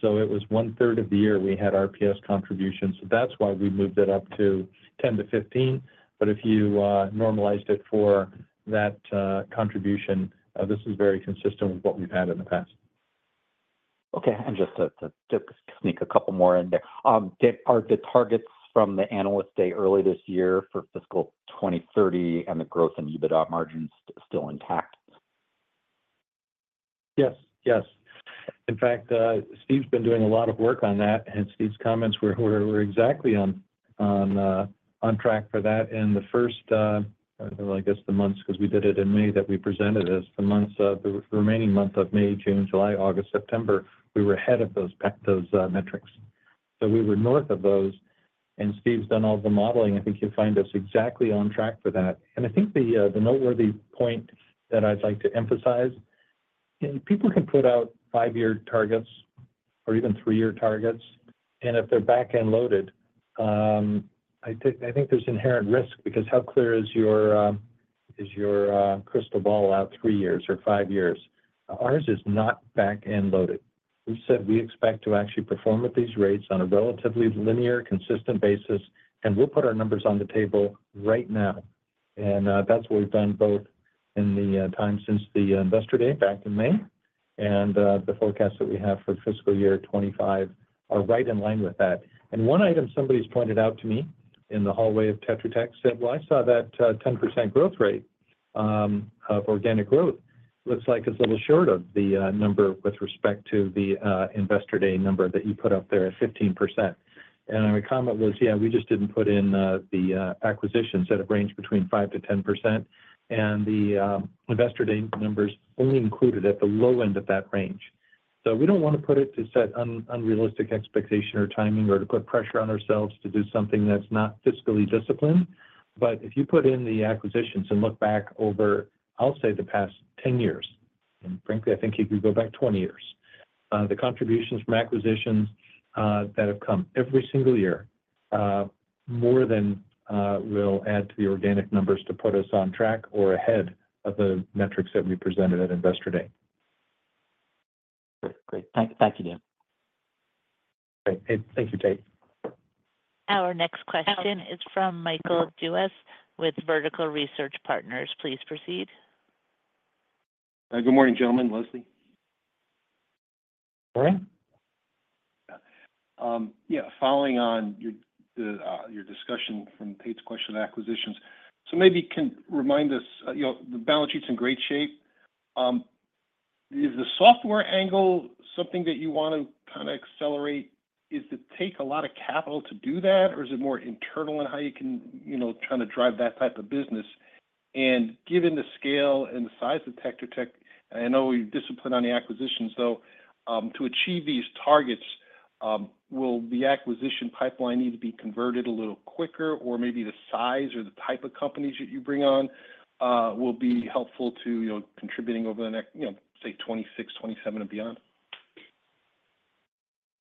So it was one-third of the year we had RPS contributions. So that's why we moved it up to 10 to 15. But if you normalized it for that contribution, this is very consistent with what we've had in the past. Okay. And just to sneak a couple more in there, are the targets from the Analyst Day early this year for fiscal 2030 and the growth in EBITDA margins still intact? Yes. Yes. In fact, Steve's been doing a lot of work on that. And Steve's comments were exactly on track for that. And the first, I guess, the months because we did it in May that we presented as the remaining month of May, June, July, August, September, we were ahead of those metrics. So we were north of those. And Steve's done all the modeling. I think you'll find us exactly on track for that. And I think the noteworthy point that I'd like to emphasize, people can put out five-year targets or even three-year targets. And if they're back-end loaded, I think there's inherent risk because how clear is your crystal ball out three years or five years? Ours is not back-end loaded. We said we expect to actually perform at these rates on a relatively linear, consistent basis. And we'll put our numbers on the table right now. And that's what we've done both in the time since the Investor Day back in May. And the forecast that we have for fiscal year 2025 are right in line with that. And one item somebody's pointed out to me in the hallway of Tetra Tech said, "Well, I saw that 10% growth rate of organic growth looks like it's a little short of the number with respect to the investor day number that you put up there at 15%." And my comment was, "Yeah, we just didn't put in the acquisitions that have ranged between 5%-10%." And the investor day numbers only included at the low end of that range. So we don't want to put it to set unrealistic expectation or timing or to put pressure on ourselves to do something that's not fiscally disciplined. But if you put in the acquisitions and look back over, I'll say, the past 10 years, and frankly, I think you could go back 20 years, the contributions from acquisitions that have come every single year more than will add to the organic numbers to put us on track or ahead of the metrics that we presented at investor day. Great. Thank you, Dan. Great. Thank you, Tate. Our next question is from Michael Dudas with Vertical Research Partners. Please proceed. Good morning, gentlemen. Leslie. Morning. Yeah. Following on your discussion from Tate's question of acquisitions, so maybe can remind us, the balance sheet's in great shape. Is the software angle something that you want to kind of accelerate? Does it take a lot of capital to do that, or is it more internal in how you can try to drive that type of business? Given the scale and the size of Tetra Tech, I know you're disciplined on the acquisitions. So to achieve these targets, will the acquisition pipeline need to be converted a little quicker, or maybe the size or the type of companies that you bring on will be helpful to contributing over the next, say, 2026, 2027, and beyond?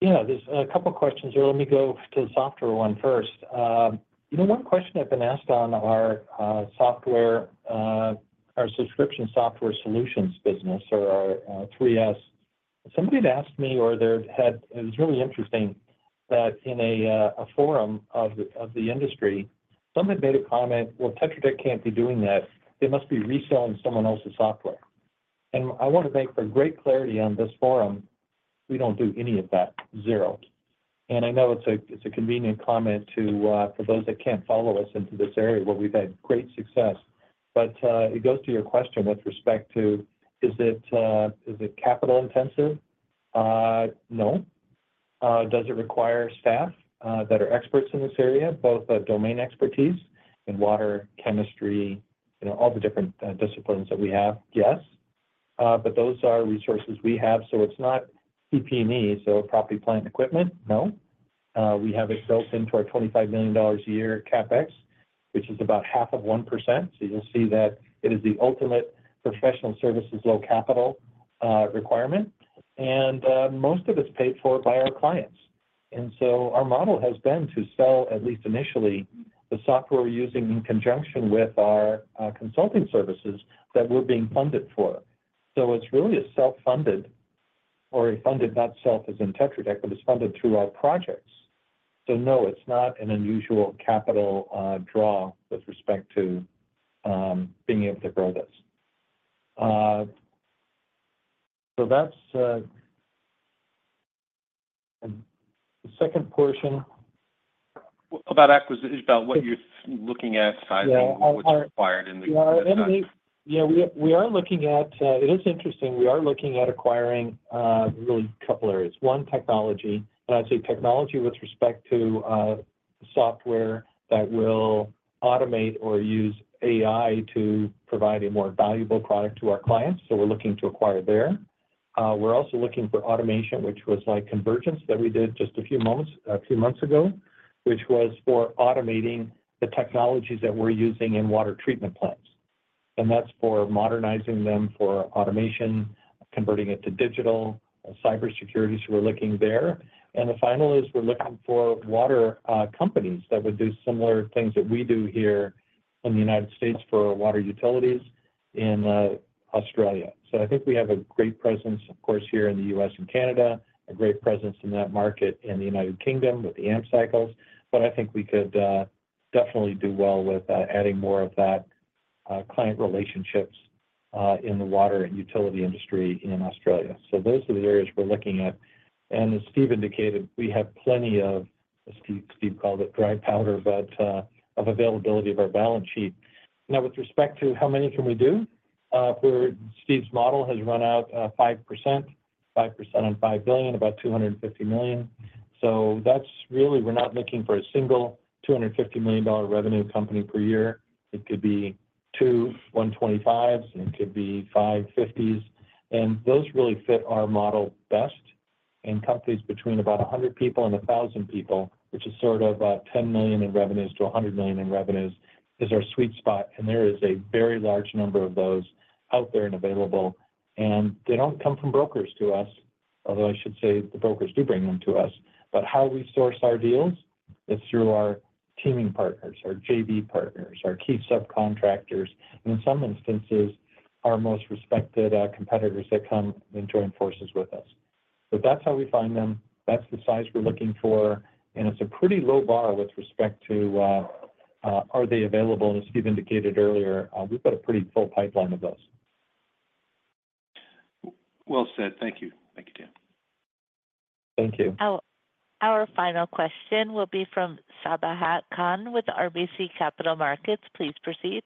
Yeah. There's a couple of questions here. Let me go to the softer one first. One question I've been asked on our subscription software solutions business, or our 3S, somebody had asked me, or it was really interesting that in a forum of the industry, some had made a comment, "Well, Tetra Tech can't be doing that. They must be reselling someone else's software." And I want to thank for great clarity on this forum. We don't do any of that, zero. I know it's a convenient comment for those that can't follow us into this area where we've had great success. It goes to your question with respect to, is it capital intensive? No. Does it require staff that are experts in this area, both domain expertise in water, chemistry, all the different disciplines that we have? Yes. Those are resources we have. It's not PP&E, so property, plant, and equipment. No. We have it built into our $25 million a year CapEx, which is about 0.5%. You'll see that it is the ultimate professional services low-capital requirement. Most of it's paid for by our clients. Our model has been to sell, at least initially, the software we're using in conjunction with our consulting services that we're being funded for. So it's really a self-funded or a funded, not self as in Tetra Tech, but it's funded through our projects. So no, it's not an unusual capital draw with respect to being able to grow this. So that's the second portion. About what you're looking at, sizing, what's required in the U.S.? Yeah. We are looking at it. It is interesting. We are looking at acquiring really a couple of areas. One, technology. And I say technology with respect to software that will automate or use AI to provide a more valuable product to our clients. So we're looking to acquire there. We're also looking for automation, which was like Convergence that we did just a few months ago, which was for automating the technologies that we're using in water treatment plants. And that's for modernizing them for automation, converting it to digital, cybersecurity. So we're looking there. The final is we're looking for water companies that would do similar things that we do here in the United States for water utilities in Australia. I think we have a great presence, of course, here in the U.S. and Canada, a great presence in that market in the United Kingdom with the AMP cycles. I think we could definitely do well with adding more of that client relationships in the water and utility industry in Australia. Those are the areas we're looking at. As Steve indicated, we have plenty of. Steve called it dry powder, but of availability of our balance sheet. With respect to how many can we do, Steve's model has run out 5%, 5% on $5 billion, about $250 million. That's really. We're not looking for a single $250 million revenue company per year. It could be two 125s, and it could be five 50s. And those really fit our model best. And companies between about 100 people and 1,000 people, which is sort of $10 million-$100 million in revenues, is our sweet spot. And there is a very large number of those out there and available. And they don't come from brokers to us, although I should say the brokers do bring them to us. But how we source our deals is through our teaming partners, our JV partners, our key subcontractors, and in some instances, our most respected competitors that come and join forces with us. So that's how we find them. That's the size we're looking for. And it's a pretty low bar with respect to, are they available? As Steve indicated earlier, we've got a pretty full pipeline of those. Well said. Thank you. Thank you, Dan. Thank you. Our final question will be from Sabahat Khan with RBC Capital Markets. Please proceed.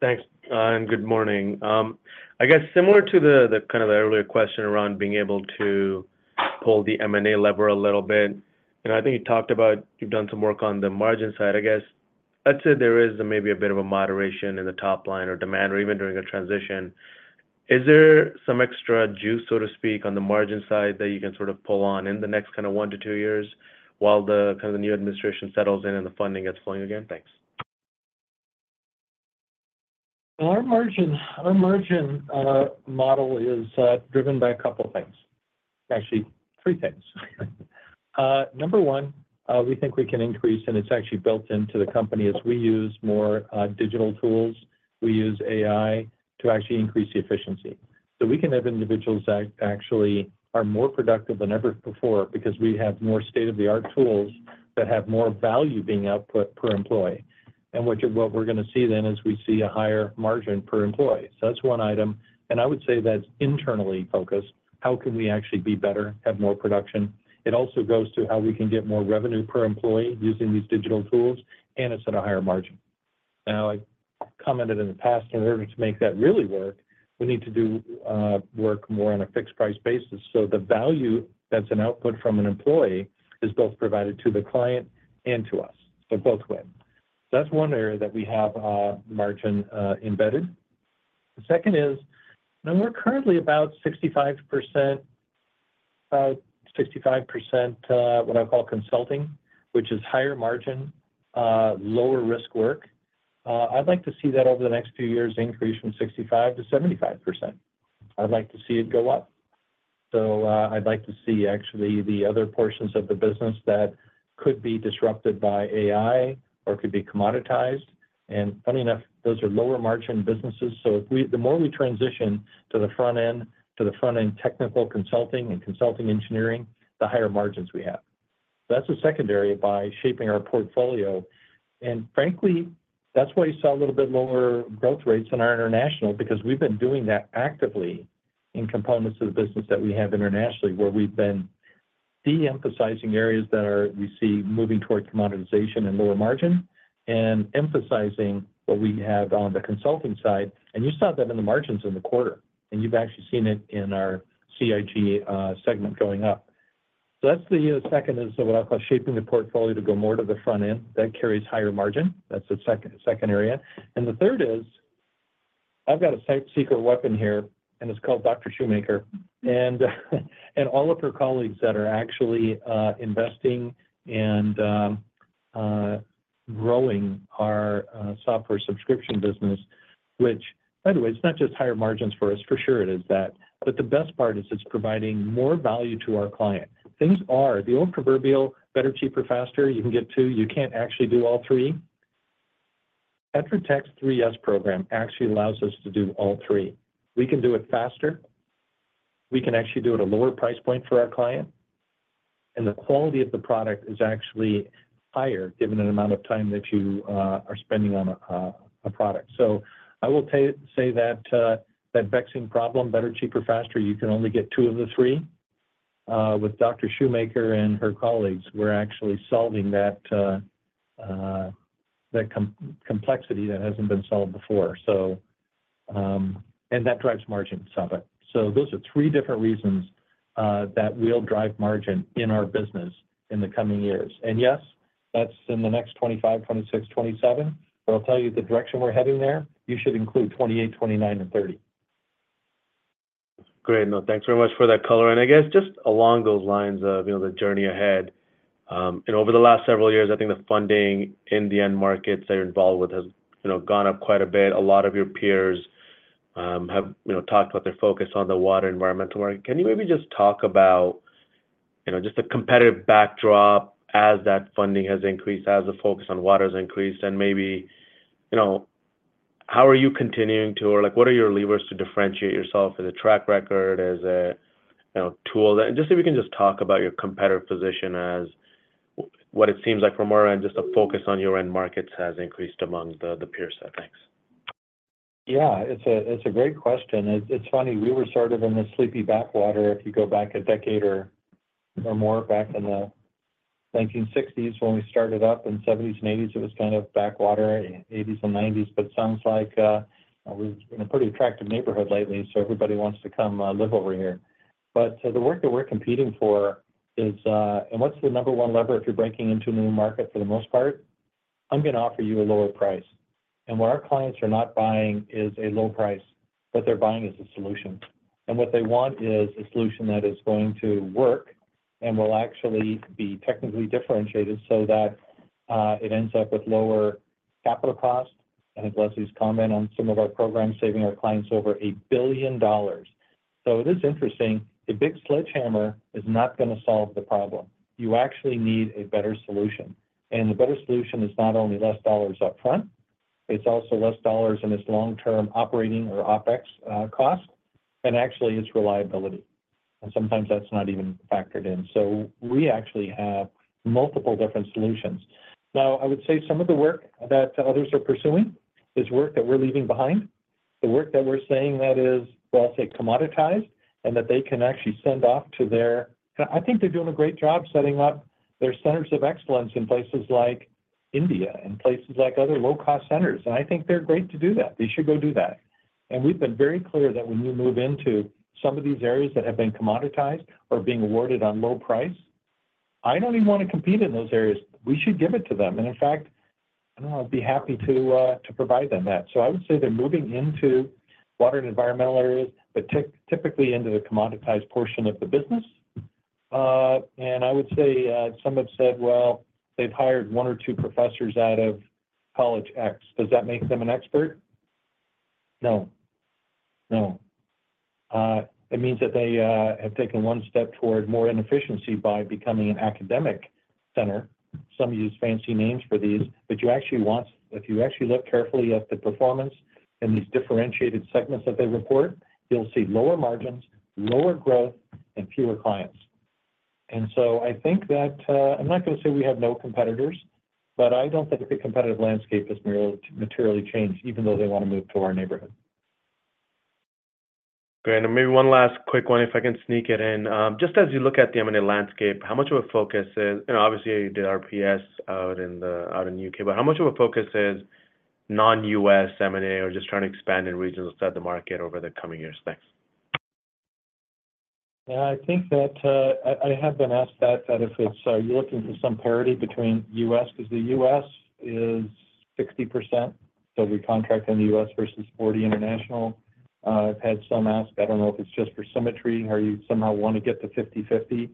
Thanks. And good morning. I guess similar to the kind of the earlier question around being able to pull the M&A lever a little bit, I guess I'd say there is maybe a bit of a moderation in the top line or demand or even during a transition. Is there some extra juice, so to speak, on the margin side that you can sort of pull on in the next kind of one to two years while the kind of the new administration settles in and the funding gets flowing again? Thanks. Our margin model is driven by a couple of things. Actually, three things. Number one, we think we can increase, and it's actually built into the company as we use more digital tools. We use AI to actually increase the efficiency, so we can have individuals that actually are more productive than ever before because we have more state-of-the-art tools that have more value being output per employee, and what we're going to see then is we see a higher margin per employee, so that's one item, and I would say that's internally focused. How can we actually be better, have more production? It also goes to how we can get more revenue per employee using these digital tools and a set of higher margins. Now, I commented in the past, in order to make that really work, we need to do work more on a fixed price basis. So the value that's an output from an employee is both provided to the client and to us. So both win. So that's one area that we have margin embedded. The second is, now we're currently about 65%, about 65% what I'll call consulting, which is higher margin, lower risk work. I'd like to see that over the next few years increase from 65%-75%. I'd like to see it go up. So I'd like to see actually the other portions of the business that could be disrupted by AI or could be commoditized. And funny enough, those are lower margin businesses. So the more we transition to the front end, to the front end technical consulting and consulting engineering, the higher margins we have. That's a second area by shaping our portfolio. And frankly, that's why you saw a little bit lower growth rates in our international because we've been doing that actively in components of the business that we have internationally where we've been de-emphasizing areas that we see moving toward commoditization and lower margin and emphasizing what we have on the consulting side. And you saw that in the margins in the quarter. And you've actually seen it in our CIG segment going up. So that's the second is what I'll call shaping the portfolio to go more to the front end. That carries higher margin. That's the second area. And the third is I've got a secret weapon here, and it's called Dr. Shoemaker. And all of her colleagues that are actually investing and growing our software subscription business, which, by the way, it's not just higher margins for us. For sure, it is that. But the best part is it's providing more value to our client. Things are the old proverbial better, cheaper, faster. You can get two. You can't actually do all three. Tetra Tech's 3S program actually allows us to do all three. We can do it faster. We can actually do it at a lower price point for our client. And the quality of the product is actually higher given the amount of time that you are spending on a product. So I will say that that vexing problem, better, cheaper, faster, you can only get two of the three. With Dr. Shoemaker and her colleagues, we're actually solving that complexity that hasn't been solved before. And that drives margin somewhat. So those are three different reasons that will drive margin in our business in the coming years. And yes, that's in the next 2025, 2026, 2027. But I'll tell you the direction we're heading there. You should include 28, 29, and 30. Great. No, thanks very much for that color. I guess just along those lines of the journey ahead, and over the last several years, I think the funding in the end markets that you're involved with has gone up quite a bit. A lot of your peers have talked about their focus on the water environmental market. Can you maybe just talk about just the competitive backdrop as that funding has increased, as the focus on water has increased, and maybe how are you continuing to, or what are your levers to differentiate yourself as a track record, as a tool? And just if you can just talk about your competitive position as what it seems like from our end, just the focus on your end markets has increased among the peer set? Thanks. Yeah. It's a great question. It's funny. We were sort of in the sleepy backwater if you go back a decade or more back in the 1960s when we started up. In the 70s and 80s, it was kind of backwater, 80s and 90s. But it sounds like we're in a pretty attractive neighborhood lately, so everybody wants to come live over here. But the work that we're competing for is, and what's the number one lever if you're breaking into a new market for the most part? I'm going to offer you a lower price. And what our clients are not buying is a low price, but they're buying as a solution. And what they want is a solution that is going to work and will actually be technically differentiated so that it ends up with lower capital cost. I think Leslie's comment on some of our programs saving our clients over $1 billion, so this is interesting. A big sledgehammer is not going to solve the problem. You actually need a better solution, and the better solution is not only less dollars upfront, it's also less dollars in its long-term operating or OpEx cost, and actually its reliability. And sometimes that's not even factored in, so we actually have multiple different solutions. Now, I would say some of the work that others are pursuing is work that we're leaving behind. The work that we're saying that is, well, say, commoditized and that they can actually send off to their, and I think they're doing a great job setting up their centers of excellence in places like India and places like other low-cost centers, and I think they're great to do that. They should go do that. We've been very clear that when you move into some of these areas that have been commoditized or being awarded on low price, I don't even want to compete in those areas. We should give it to them. In fact, I'll be happy to provide them that. I would say they're moving into water and environmental areas, but typically into the commoditized portion of the business. I would say some have said, well, they've hired one or two professors out of college X. Does that make them an expert? No. No. It means that they have taken one step toward more inefficiency by becoming an academic center. Some use fancy names for these. If you actually look carefully at the performance in these differentiated segments that they report, you'll see lower margins, lower growth, and fewer clients. And so I think that I'm not going to say we have no competitors, but I don't think the competitive landscape has materially changed, even though they want to move to our neighborhood. Great. And maybe one last quick one, if I can sneak it in. Just as you look at the M&A landscape, how much of a focus is, and obviously, you did RPS out in the U.K., but how much of a focus is non-U.S. M&A or just trying to expand in regions outside the market over the coming years? Thanks. Yeah. I think that I have been asked that, that if you're looking for some parity between U.S. because the U.S. is 60%, so we contract in the U.S. versus 40 international. I've had some ask, I don't know if it's just for symmetry, how you somehow want to get the 50/50.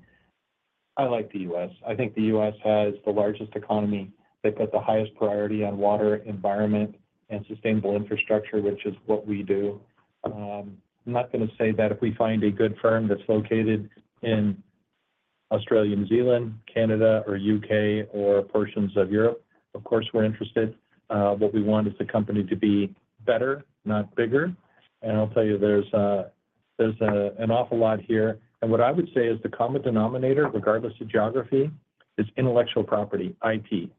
I like the U.S. I think the U.S. has the largest economy. They put the highest priority on water, environment, and sustainable infrastructure, which is what we do. I'm not going to say that if we find a good firm that's located in Australia, New Zealand, Canada, or U.K. or portions of Europe, of course, we're interested. What we want is the company to be better, not bigger. And I'll tell you, there's an awful lot here. And what I would say is the common denominator, regardless of geography, is intellectual property, IT.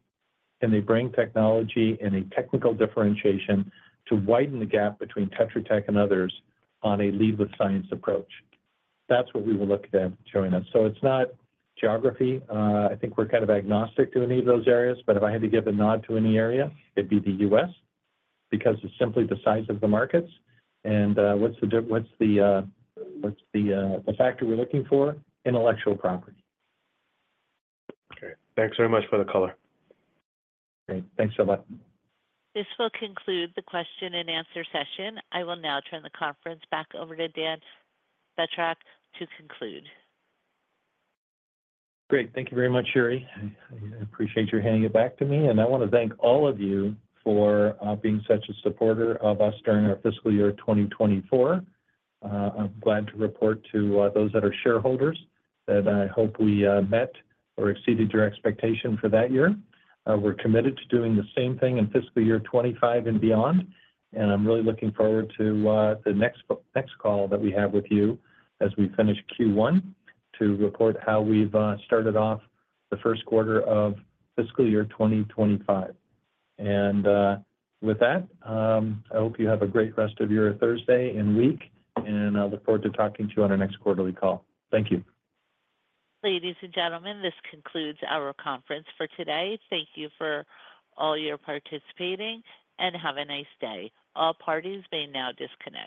And they bring technology and a technical differentiation to widen the gap between Tetra Tech and others on a lead with science approach. That's what we will look at joining us. So it's not geography. I think we're kind of agnostic to any of those areas. But if I had to give a nod to any area, it'd be the U.S. because it's simply the size of the markets. And what's the factor we're looking for? Intellectual property. Okay. Thanks very much for the color. Great. Thanks a lot. This will conclude the question and answer session. I will now turn the conference back over to Dan Batrack to conclude. Great. Thank you very much, Sherri. I appreciate your handing it back to me. And I want to thank all of you for being such a supporter of us during our fiscal year 2024. I'm glad to report to those that are shareholders that I hope we met or exceeded your expectation for that year. We're committed to doing the same thing in fiscal year 2025 and beyond. And I'm really looking forward to the next call that we have with you as we finish Q1 to report how we've started off the first quarter of fiscal year 2025. And with that, I hope you have a great rest of your Thursday and week, and I'll look forward to talking to you on our next quarterly call. Thank you. Ladies and gentlemen, this concludes our conference for today. Thank you for all your participating and have a nice day. All parties may now disconnect.